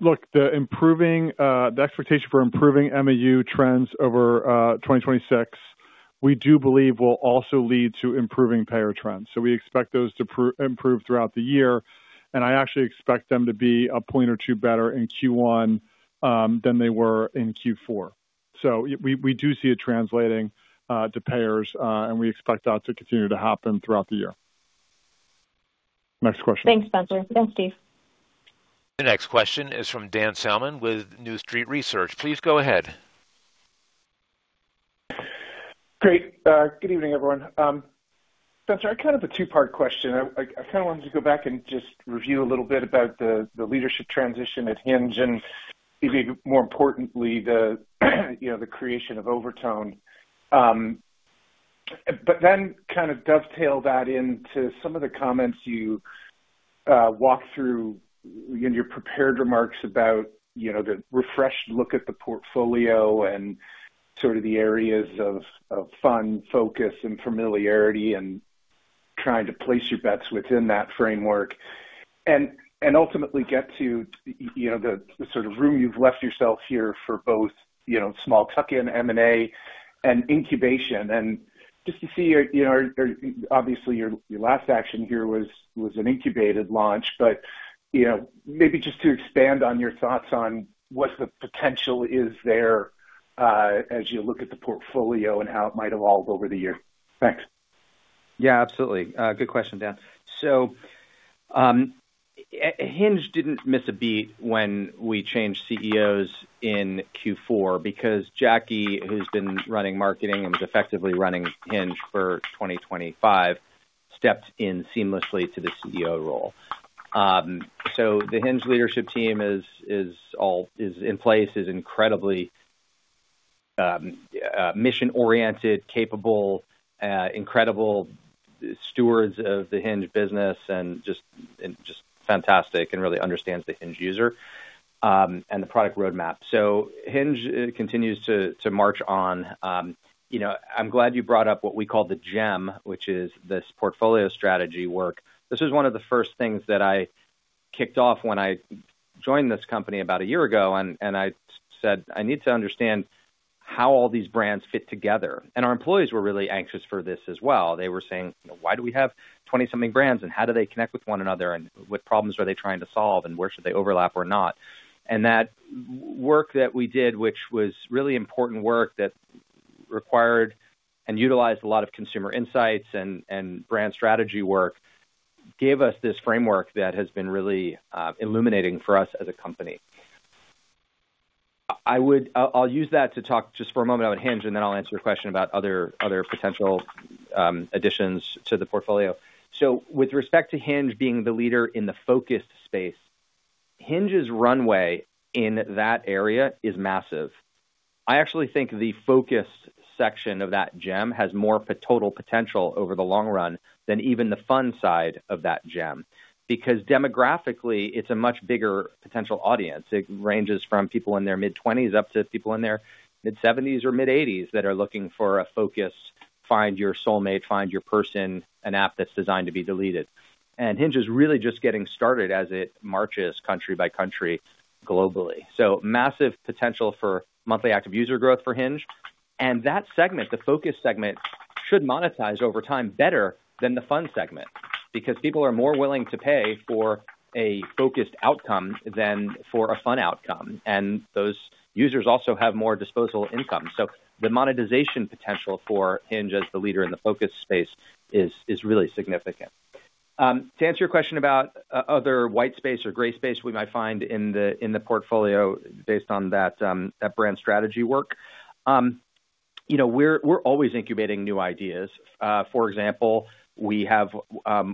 Look, the expectation for improving MAU trends over 2026, we do believe, will also lead to improving payer trends. So we expect those to improve throughout the year, and I actually expect them to be a point or two better in Q1 than they were in Q4. So we do see it translating to payers, and we expect that to continue to happen throughout the year. Next question. Thanks, Spencer. Thanks, Steve. The next question is from Dan Salmon with New Street Research. Please go ahead. Great. Good evening, everyone. Spencer, I kind of have a two-part question. I kind of wanted to go back and just review a little bit about the leadership transition at Hinge and, maybe more importantly, the creation of Overtone, but then kind of dovetail that into some of the comments you walked through in your prepared remarks about the refreshed look at the portfolio and sort of the areas of fun, focus, and familiarity and trying to place your bets within that framework and ultimately get to the sort of room you've left yourself here for both small tuck-in, M&A, and incubation. Just to see, obviously, your last action here was an incubated launch. But maybe just to expand on your thoughts on what the potential is there as you look at the portfolio and how it might evolve over the year. Thanks. Yeah. Absolutely. Good question, Dan. So Hinge didn't miss a beat when we changed CEOs in Q4 because Jackie, who's been running marketing and was effectively running Hinge for 2025, stepped in seamlessly to the CEO role. So the Hinge leadership team is in place, is incredibly mission-oriented, capable, incredible stewards of the Hinge business, and just fantastic and really understands the Hinge user and the product roadmap. So Hinge continues to march on. I'm glad you brought up what we call the gem, which is this portfolio strategy work. This was one of the first things that I kicked off when I joined this company about a year ago, and I said, "I need to understand how all these brands fit together." And our employees were really anxious for this as well. They were saying, "Why do we have 20-something brands, and how do they connect with one another? And what problems are they trying to solve? And where should they overlap or not?" That work that we did, which was really important work that required and utilized a lot of consumer insights and brand strategy work, gave us this framework that has been really illuminating for us as a company. I'll use that to talk just for a moment about Hinge, and then I'll answer your question about other potential additions to the portfolio. With respect to Hinge being the leader in the focused space, Hinge's runway in that area is massive. I actually think the focused section of that gem has more total potential over the long run than even the fun side of that gem because demographically, it's a much bigger potential audience. It ranges from people in their mid-20s up to people in their mid-70s or mid-80s that are looking for a focused, find-your-soulmate, find-your-person app that's designed to be deleted. Hinge is really just getting started as it marches country by country globally. Massive potential for monthly active user growth for Hinge. That segment, the focused segment, should monetize over time better than the fun segment because people are more willing to pay for a focused outcome than for a fun outcome. Those users also have more disposable income. The monetization potential for Hinge as the leader in the focused space is really significant. To answer your question about other white space or gray space we might find in the portfolio based on that brand strategy work, we're always incubating new ideas. For example, we have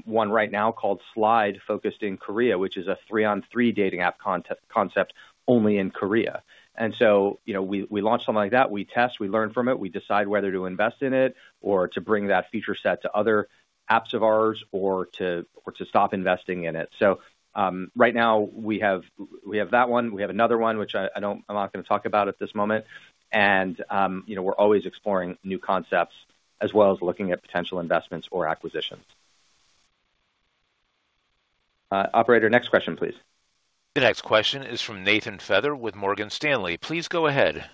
one right now called Slide focused in Korea, which is a three-on-three dating app concept only in Korea. And so we launch something like that. We test. We learn from it. We decide whether to invest in it or to bring that feature set to other apps of ours or to stop investing in it. So right now, we have that one. We have another one, which I'm not going to talk about at this moment. And we're always exploring new concepts as well as looking at potential investments or acquisitions. Operator, next question, please. The next question is from Nathan Feather with Morgan Stanley. Please go ahead.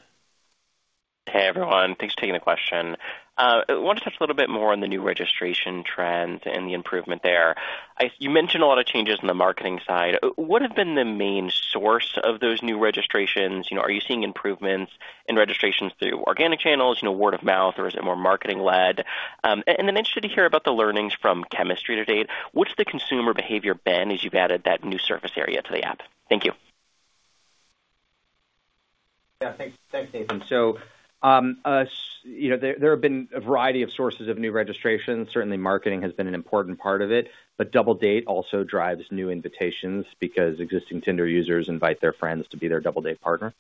Hey, everyone. Thanks for taking the question. I want to touch a little bit more on the new registration trends and the improvement there. You mentioned a lot of changes in the marketing side. What have been the main source of those new registrations? Are you seeing improvements in registrations through organic channels, word of mouth, or is it more marketing-led? And then interested to hear about the learnings from Chemistry to date. What's the consumer behavior been as you've added that new surface area to the app? Thank you. Yeah. Thanks, Nathan. So there have been a variety of sources of new registrations. Certainly, marketing has been an important part of it, but Double Date also drives new invitations because existing Tinder users invite their friends to be their Double Date partner.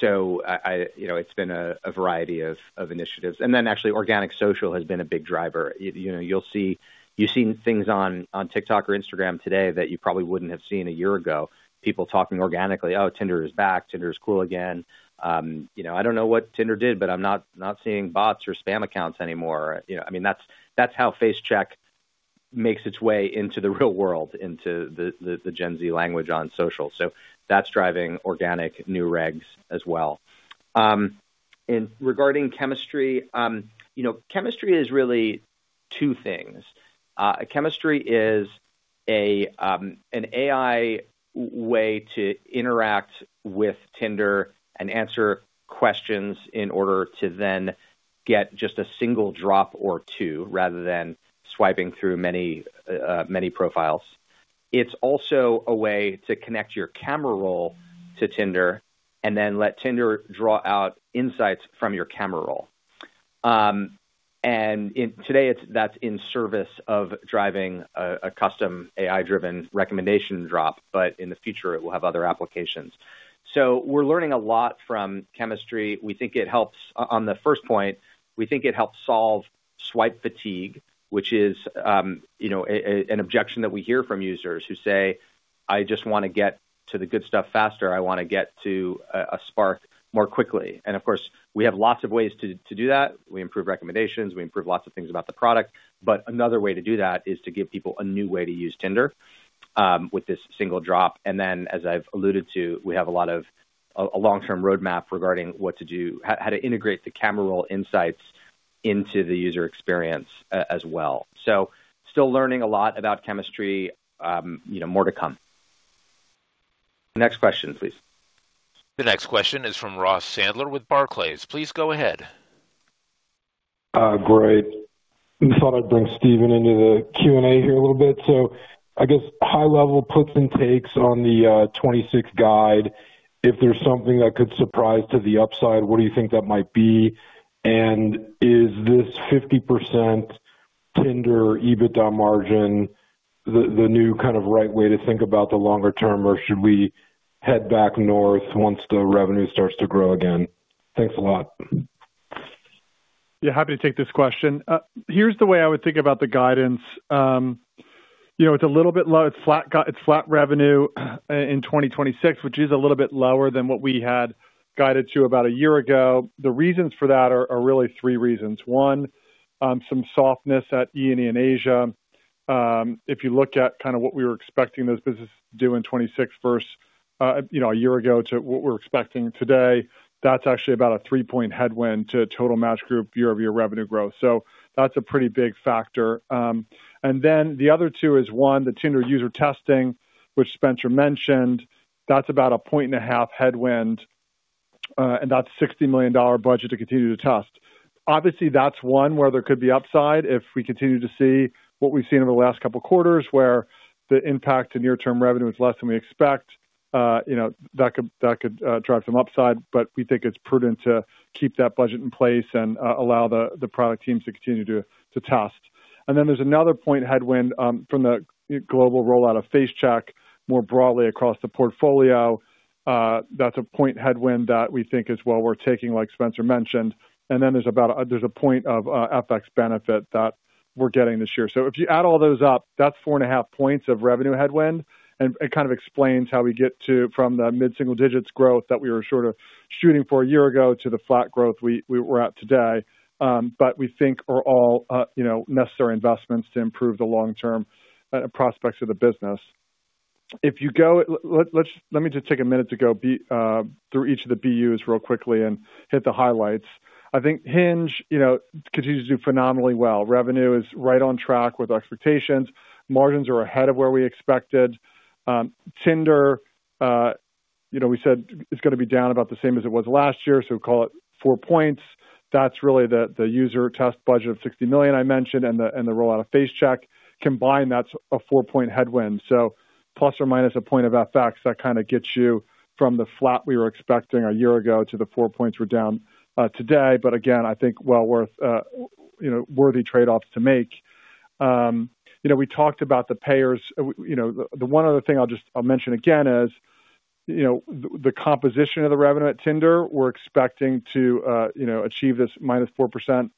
So it's been a variety of initiatives. And then actually, organic social has been a big driver. You've seen things on TikTok or Instagram today that you probably wouldn't have seen a year ago, people talking organically, "Oh, Tinder is back. Tinder is cool again." I don't know what Tinder did, but I'm not seeing bots or spam accounts anymore. I mean, that's how FaceCheck makes its way into the real world, into the Gen Z language on social. So that's driving organic new regs as well. And regarding Chemistry, Chemistry is really two things. Chemistry is an AI way to interact with Tinder and answer questions in order to then get just a single drop or two rather than swiping through many profiles. It's also a way to connect your camera roll to Tinder and then let Tinder draw out insights from your camera roll. And today, that's in service of driving a custom AI-driven recommendation drop, but in the future, it will have other applications. So we're learning a lot from Chemistry. We think it helps on the first point, we think it helps solve swipe fatigue, which is an objection that we hear from users who say, "I just want to get to the good stuff faster. I want to get to a Spark more quickly." And of course, we have lots of ways to do that. We improve recommendations. We improve lots of things about the product. But another way to do that is to give people a new way to use Tinder with this single drop. And then, as I've alluded to, we have a long-term roadmap regarding how to integrate the camera roll insights into the user experience as well. So still learning a lot about Chemistry. More to come. Next question, please. The next question is from Ross Sandler with Barclays. Please go ahead. Great. I thought I'd bring Steven into the Q&A here a little bit. I guess high-level puts and takes on the 26 guide. If there's something that could surprise to the upside, what do you think that might be? Is this 50% Tinder EBITDA margin the new kind of right way to think about the longer term, or should we head back north once the revenue starts to grow again? Thanks a lot. Yeah. Happy to take this question. Here's the way I would think about the guidance. It's a little bit low. It's flat revenue in 2026, which is a little bit lower than what we had guided to about a year ago. The reasons for that are really three reasons. One, some softness at E&E and Asia. If you look at kind of what we were expecting those businesses to do in 2026 versus a year ago to what we're expecting today, that's actually about a 3-point headwind to total Match Group year-over-year revenue growth. So that's a pretty big factor. And then the other two is, one, the Tinder user testing, which Spencer mentioned. That's about a 1.5-point headwind, and that's a $60 million budget to continue to test. Obviously, that's one where there could be upside if we continue to see what we've seen over the last couple quarters where the impact to near-term revenue is less than we expect. That could drive some upside, but we think it's prudent to keep that budget in place and allow the product teams to continue to test. And then there's another point headwind from the global rollout of FaceCheck more broadly across the portfolio. That's a point headwind that we think is well worth taking, like Spencer mentioned. And then there's a point of FX benefit that we're getting this year. So if you add all those up, that's 4.5 points of revenue headwind. And it kind of explains how we get from the mid-single digits growth that we were sort of shooting for a year ago to the flat growth we were at today. But we think are all necessary investments to improve the long-term prospects of the business. Let me just take a minute to go through each of the BUs real quickly and hit the highlights. I think Hinge continues to do phenomenally well. Revenue is right on track with our expectations. Margins are ahead of where we expected. Tinder, we said, is going to be down about the same as it was last year, so call it four points. That's really the user test budget of $60 million I mentioned and the rollout of FaceCheck. Combined, that's a 4-point headwind. So plus or minus a point of FX, that kind of gets you from the flat we were expecting a year ago to the 4 points we're down today. But again, I think well worthy trade-offs to make. We talked about the payers. The one other thing I'll mention again is the composition of the revenue at Tinder. We're expecting to achieve this -4%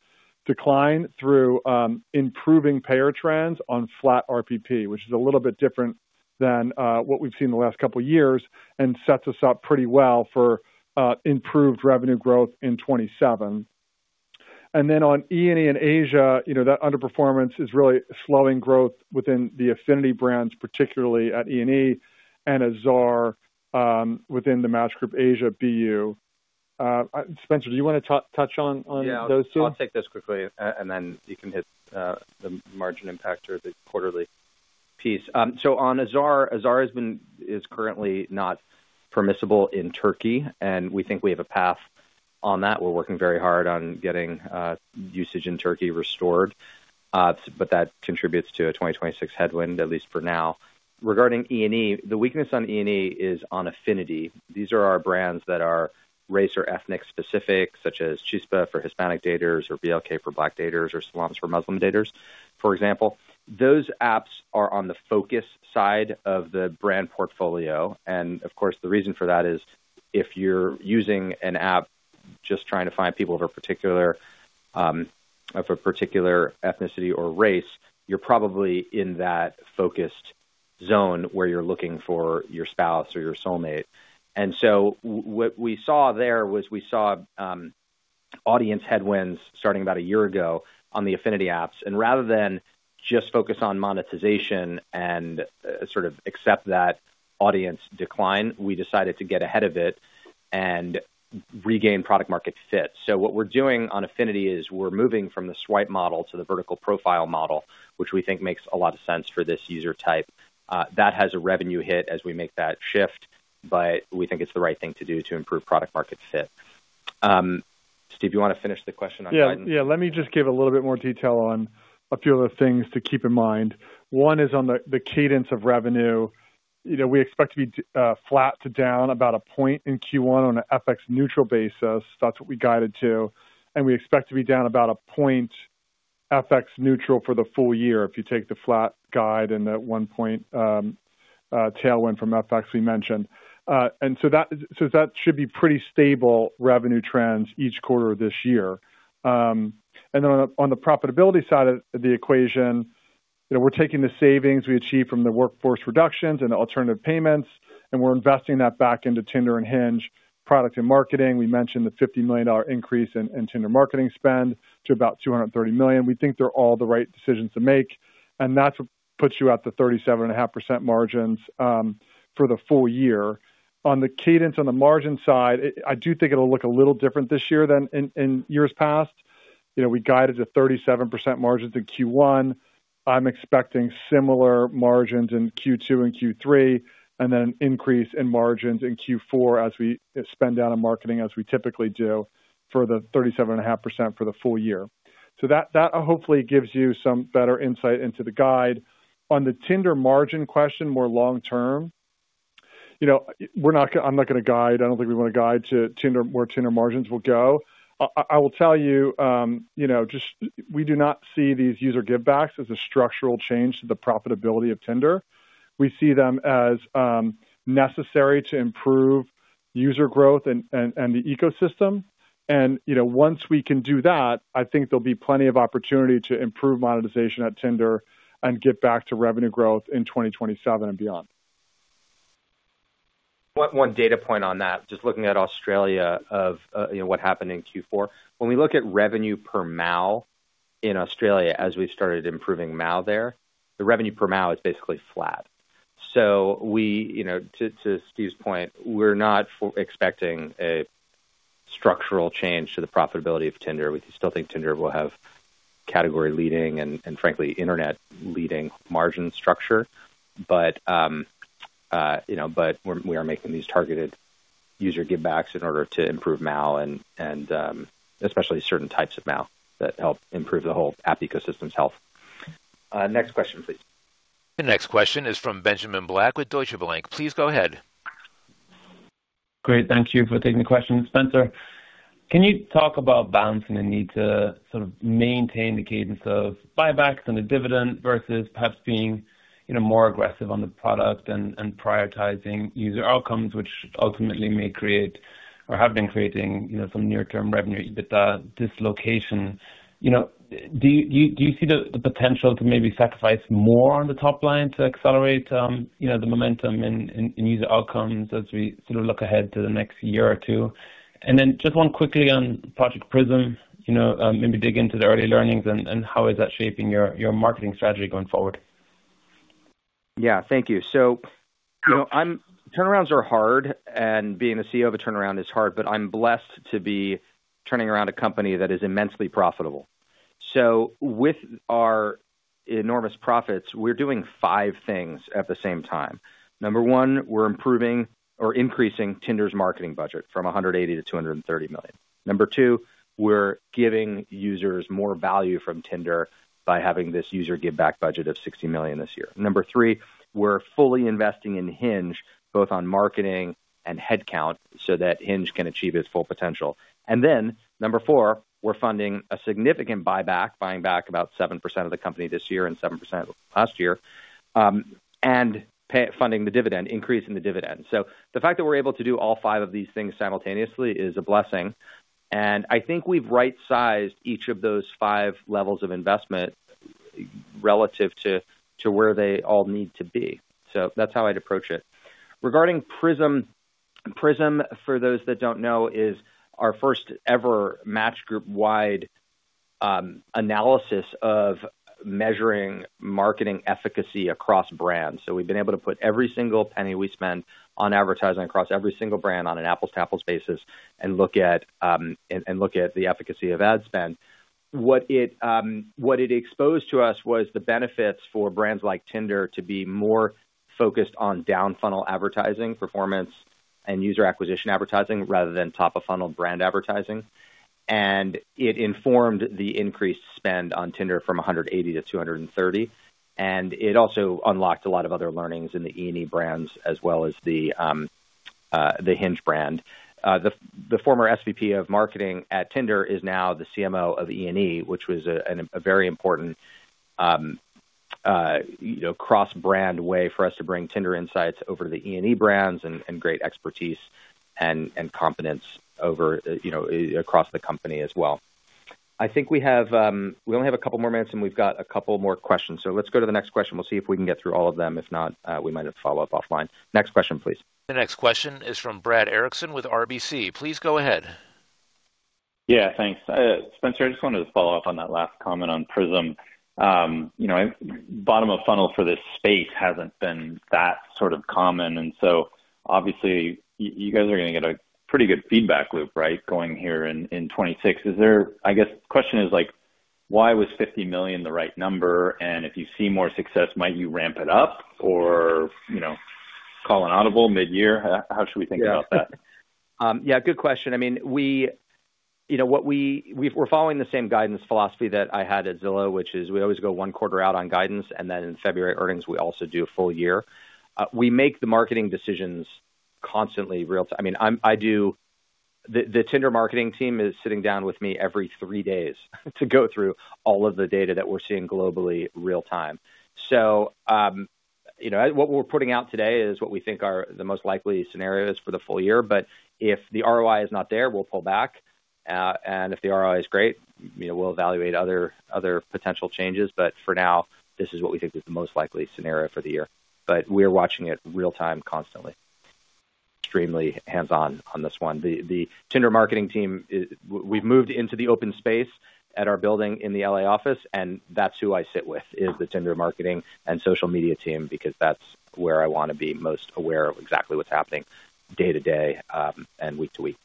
decline through improving payer trends on flat RPP, which is a little bit different than what we've seen the last couple of years and sets us up pretty well for improved revenue growth in 2027. And then on E&E and Asia, that underperformance is really slowing growth within the Affinity brands, particularly at E&E and Azar within the Match Group Asia BU. Spencer, do you want to touch on those two? Yeah. I'll take this quickly, and then you can hit the margin impact or the quarterly piece. So on Azar, Azar is currently not permissible in Turkey, and we think we have a path on that. We're working very hard on getting usage in Turkey restored, but that contributes to a 2026 headwind, at least for now. Regarding E&E, the weakness on E&E is on Affinity. These are our brands that are race or ethnic specific, such as Chispa for Hispanic daters or BLK for Black daters or Salams for Muslim daters, for example. Those apps are on the focus side of the brand portfolio. And of course, the reason for that is if you're using an app just trying to find people of a particular ethnicity or race, you're probably in that focused zone where you're looking for your spouse or your soulmate. What we saw there was we saw audience headwinds starting about a year ago on the Affinity apps. Rather than just focus on monetization and sort of accept that audience decline, we decided to get ahead of it and regain product-market fit. What we're doing on Affinity is we're moving from the swipe model to the vertical profile model, which we think makes a lot of sense for this user type. That has a revenue hit as we make that shift, but we think it's the right thing to do to improve product-market fit. Steve, do you want to finish the question on Tinder? Yeah. Yeah. Let me just give a little bit more detail on a few other things to keep in mind. One is on the cadence of revenue. We expect to be flat to down about a point in Q1 on an FX neutral basis. That's what we guided to. And we expect to be down about a point FX neutral for the full year if you take the flat guide and that one-point tailwind from FX we mentioned. And so that should be pretty stable revenue trends each quarter of this year. And then on the profitability side of the equation, we're taking the savings we achieved from the workforce reductions and alternative payments, and we're investing that back into Tinder and Hinge product and marketing. We mentioned the $50 million increase in Tinder marketing spend to about $230 million. We think they're all the right decisions to make. That's what puts you at the 37.5% margins for the full year. On the cadence on the margin side, I do think it'll look a little different this year than in years past. We guided to 37% margins in Q1. I'm expecting similar margins in Q2 and Q3 and then an increase in margins in Q4 as we spend down in marketing as we typically do for the 37.5% for the full year. That hopefully gives you some better insight into the guide. On the Tinder margin question, more long-term, I'm not going to guide. I don't think we want to guide to where Tinder margins will go. I will tell you, we do not see these user give-backs as a structural change to the profitability of Tinder. We see them as necessary to improve user growth and the ecosystem. Once we can do that, I think there'll be plenty of opportunity to improve monetization at Tinder and get back to revenue growth in 2027 and beyond. One data point on that, just looking at Australia of what happened in Q4. When we look at revenue per MAU in Australia as we've started improving MAU there, the revenue per MAU is basically flat. So to Steve's point, we're not expecting a structural change to the profitability of Tinder. We still think Tinder will have category-leading and, frankly, internet-leading margin structure. But we are making these targeted user give-backs in order to improve MAU, and especially certain types of MAU that help improve the whole app ecosystem's health. Next question, please. The next question is from Benjamin Black with Deutsche Bank. Please go ahead. Great. Thank you for taking the question, Spencer. Can you talk about balancing the need to sort of maintain the cadence of buybacks and the dividend versus perhaps being more aggressive on the product and prioritizing user outcomes, which ultimately may create or have been creating some near-term revenue EBITDA dislocation? Do you see the potential to maybe sacrifice more on the top line to accelerate the momentum in user outcomes as we sort of look ahead to the next year or two? And then just one quickly on Project Prism, maybe dig into the early learnings and how is that shaping your marketing strategy going forward? Yeah. Thank you. So turnarounds are hard, and being the CEO of a turnaround is hard, but I'm blessed to be turning around a company that is immensely profitable. So with our enormous profits, we're doing five things at the same time. Number one, we're improving or increasing Tinder's marketing budget from $180 million-$230 million. Number two, we're giving users more value from Tinder by having this user give-back budget of $60 million this year. Number three, we're fully investing in Hinge both on marketing and headcount so that Hinge can achieve its full potential. And then number four, we're funding a significant buyback, buying back about 7% of the company this year and 7% last year, and funding the dividend, increase in the dividend. So the fact that we're able to do all five of these things simultaneously is a blessing. I think we've right-sized each of those five levels of investment relative to where they all need to be. That's how I'd approach it. Regarding Prism, Prism, for those that don't know, is our first-ever Match Group-wide analysis of measuring marketing efficacy across brands. So we've been able to put every single penny we spend on advertising across every single brand on an apples-to-apples basis and look at the efficacy of ad spend. What it exposed to us was the benefits for brands like Tinder to be more focused on down-funnel advertising, performance, and user acquisition advertising rather than top-of-funnel brand advertising. And it informed the increased spend on Tinder from $180-$230. It also unlocked a lot of other learnings in the E&E brands as well as the Hinge brand. The former SVP of marketing at Tinder is now the CMO of E&E, which was a very important cross-brand way for us to bring Tinder insights over to the E&E brands and great expertise and competence across the company as well. I think we only have a couple more minutes, and we've got a couple more questions. So let's go to the next question. We'll see if we can get through all of them. If not, we might have to follow up offline. Next question, please. The next question is from Brad Erickson with RBC. Please go ahead. Yeah. Thanks. Spencer, I just wanted to follow up on that last comment on Prism. Bottom-of-funnel for this space hasn't been that sort of common. And so obviously, you guys are going to get a pretty good feedback loop, right, going here in 2026. I guess the question is, why was $50 million the right number? And if you see more success, might you ramp it up or call an audible mid-year? How should we think about that? Yeah. Good question. I mean, we're following the same guidance philosophy that I had at Zillow, which is we always go one quarter out on guidance, and then in February earnings, we also do a full year. We make the marketing decisions constantly real-time. I mean, the Tinder marketing team is sitting down with me every three days to go through all of the data that we're seeing globally real-time. So what we're putting out today is what we think are the most likely scenarios for the full year. But if the ROI is not there, we'll pull back. And if the ROI is great, we'll evaluate other potential changes. But for now, this is what we think is the most likely scenario for the year. But we are watching it real-time constantly. Extremely hands-on on this one. The Tinder marketing team, we've moved into the open space at our building in the L.A. office, and that's who I sit with, is the Tinder marketing and social media team because that's where I want to be most aware of exactly what's happening day to day and week to week.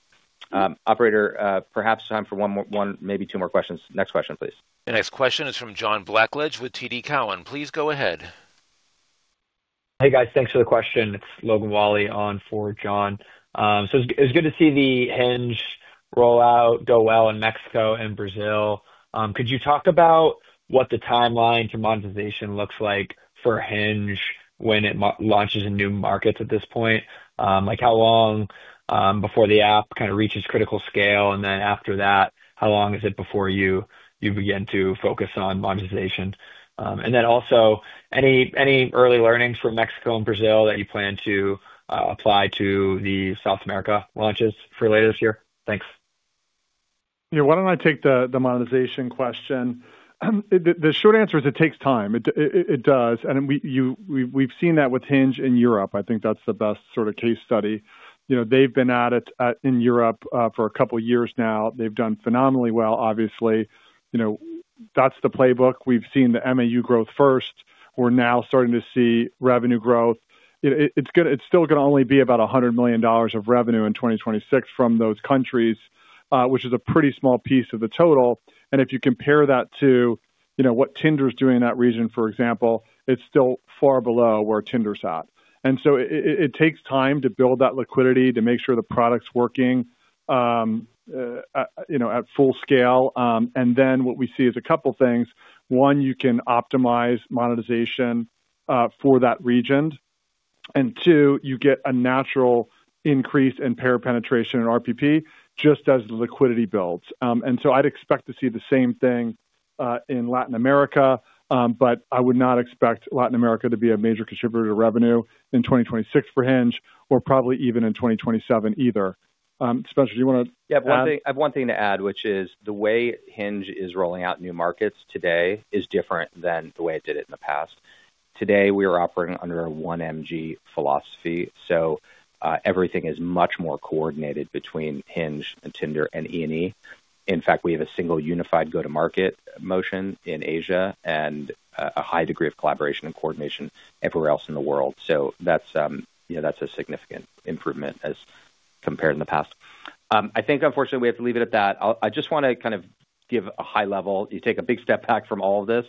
Operator, perhaps time for maybe two more questions. Next question, please. The next question is from John Blackledge with TD Cowen. Please go ahead. Hey, guys. Thanks for the question. It's Logan Wyllie on for John. It's good to see the Hinge rollout go well in Mexico and Brazil. Could you talk about what the timeline to monetization looks like for Hinge when it launches in new markets at this point? How long before the app kind of reaches critical scale, and then after that, how long is it before you begin to focus on monetization? Then also, any early learnings from Mexico and Brazil that you plan to apply to the South America launches for later this year? Thanks. Yeah. Why don't I take the monetization question? The short answer is it takes time. It does. And we've seen that with Hinge in Europe. I think that's the best sort of case study. They've been at it in Europe for a couple of years now. They've done phenomenally well, obviously. That's the playbook. We've seen the MAU growth first. We're now starting to see revenue growth. It's still going to only be about $100 million of revenue in 2026 from those countries, which is a pretty small piece of the total. And if you compare that to what Tinder is doing in that region, for example, it's still far below where Tinder is at. And so it takes time to build that liquidity to make sure the product's working at full scale. And then what we see is a couple of things. One, you can optimize monetization for that region. And two, you get a natural increase in payer penetration and RPP just as the liquidity builds. And so I'd expect to see the same thing in Latin America, but I would not expect Latin America to be a major contributor to revenue in 2026 for Hinge or probably even in 2027 either. Spencer, do you want to? Yeah. I have one thing to add, which is the way Hinge is rolling out new markets today is different than the way it did it in the past. Today, we are operating under a 1MG philosophy. So everything is much more coordinated between Hinge and Tinder and E&E. In fact, we have a single unified go-to-market motion in Asia and a high degree of collaboration and coordination everywhere else in the world. So that's a significant improvement as compared in the past. I think, unfortunately, we have to leave it at that. I just want to kind of give a high level you take a big step back from all of this.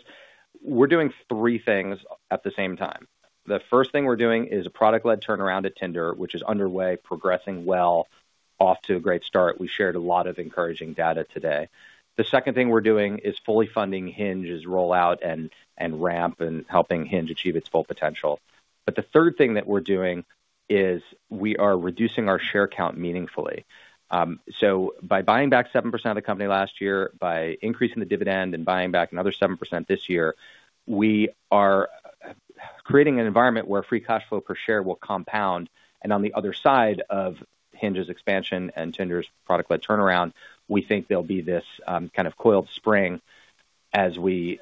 We're doing three things at the same time. The first thing we're doing is a product-led turnaround at Tinder, which is underway, progressing well, off to a great start. We shared a lot of encouraging data today. The second thing we're doing is fully funding Hinge's rollout and ramp and helping Hinge achieve its full potential. But the third thing that we're doing is we are reducing our share count meaningfully. So by buying back 7% of the company last year, by increasing the dividend and buying back another 7% this year, we are creating an environment where free cash flow per share will compound. And on the other side of Hinge's expansion and Tinder's product-led turnaround, we think there'll be this kind of coiled spring as we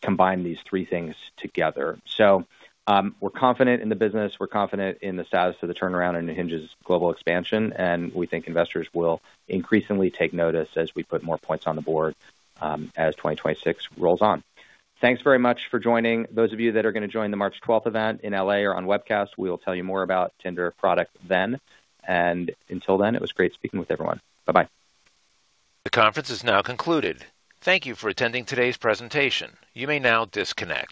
combine these three things together. So we're confident in the business. We're confident in the status of the turnaround and Hinge's global expansion. And we think investors will increasingly take notice as we put more points on the board as 2026 rolls on. Thanks very much for joining. Those of you that are going to join the March 12th event in L.A. or on webcast, we will tell you more about Tinder product then. Until then, it was great speaking with everyone. Bye-bye. The conference is now concluded. Thank you for attending today's presentation. You may now disconnect.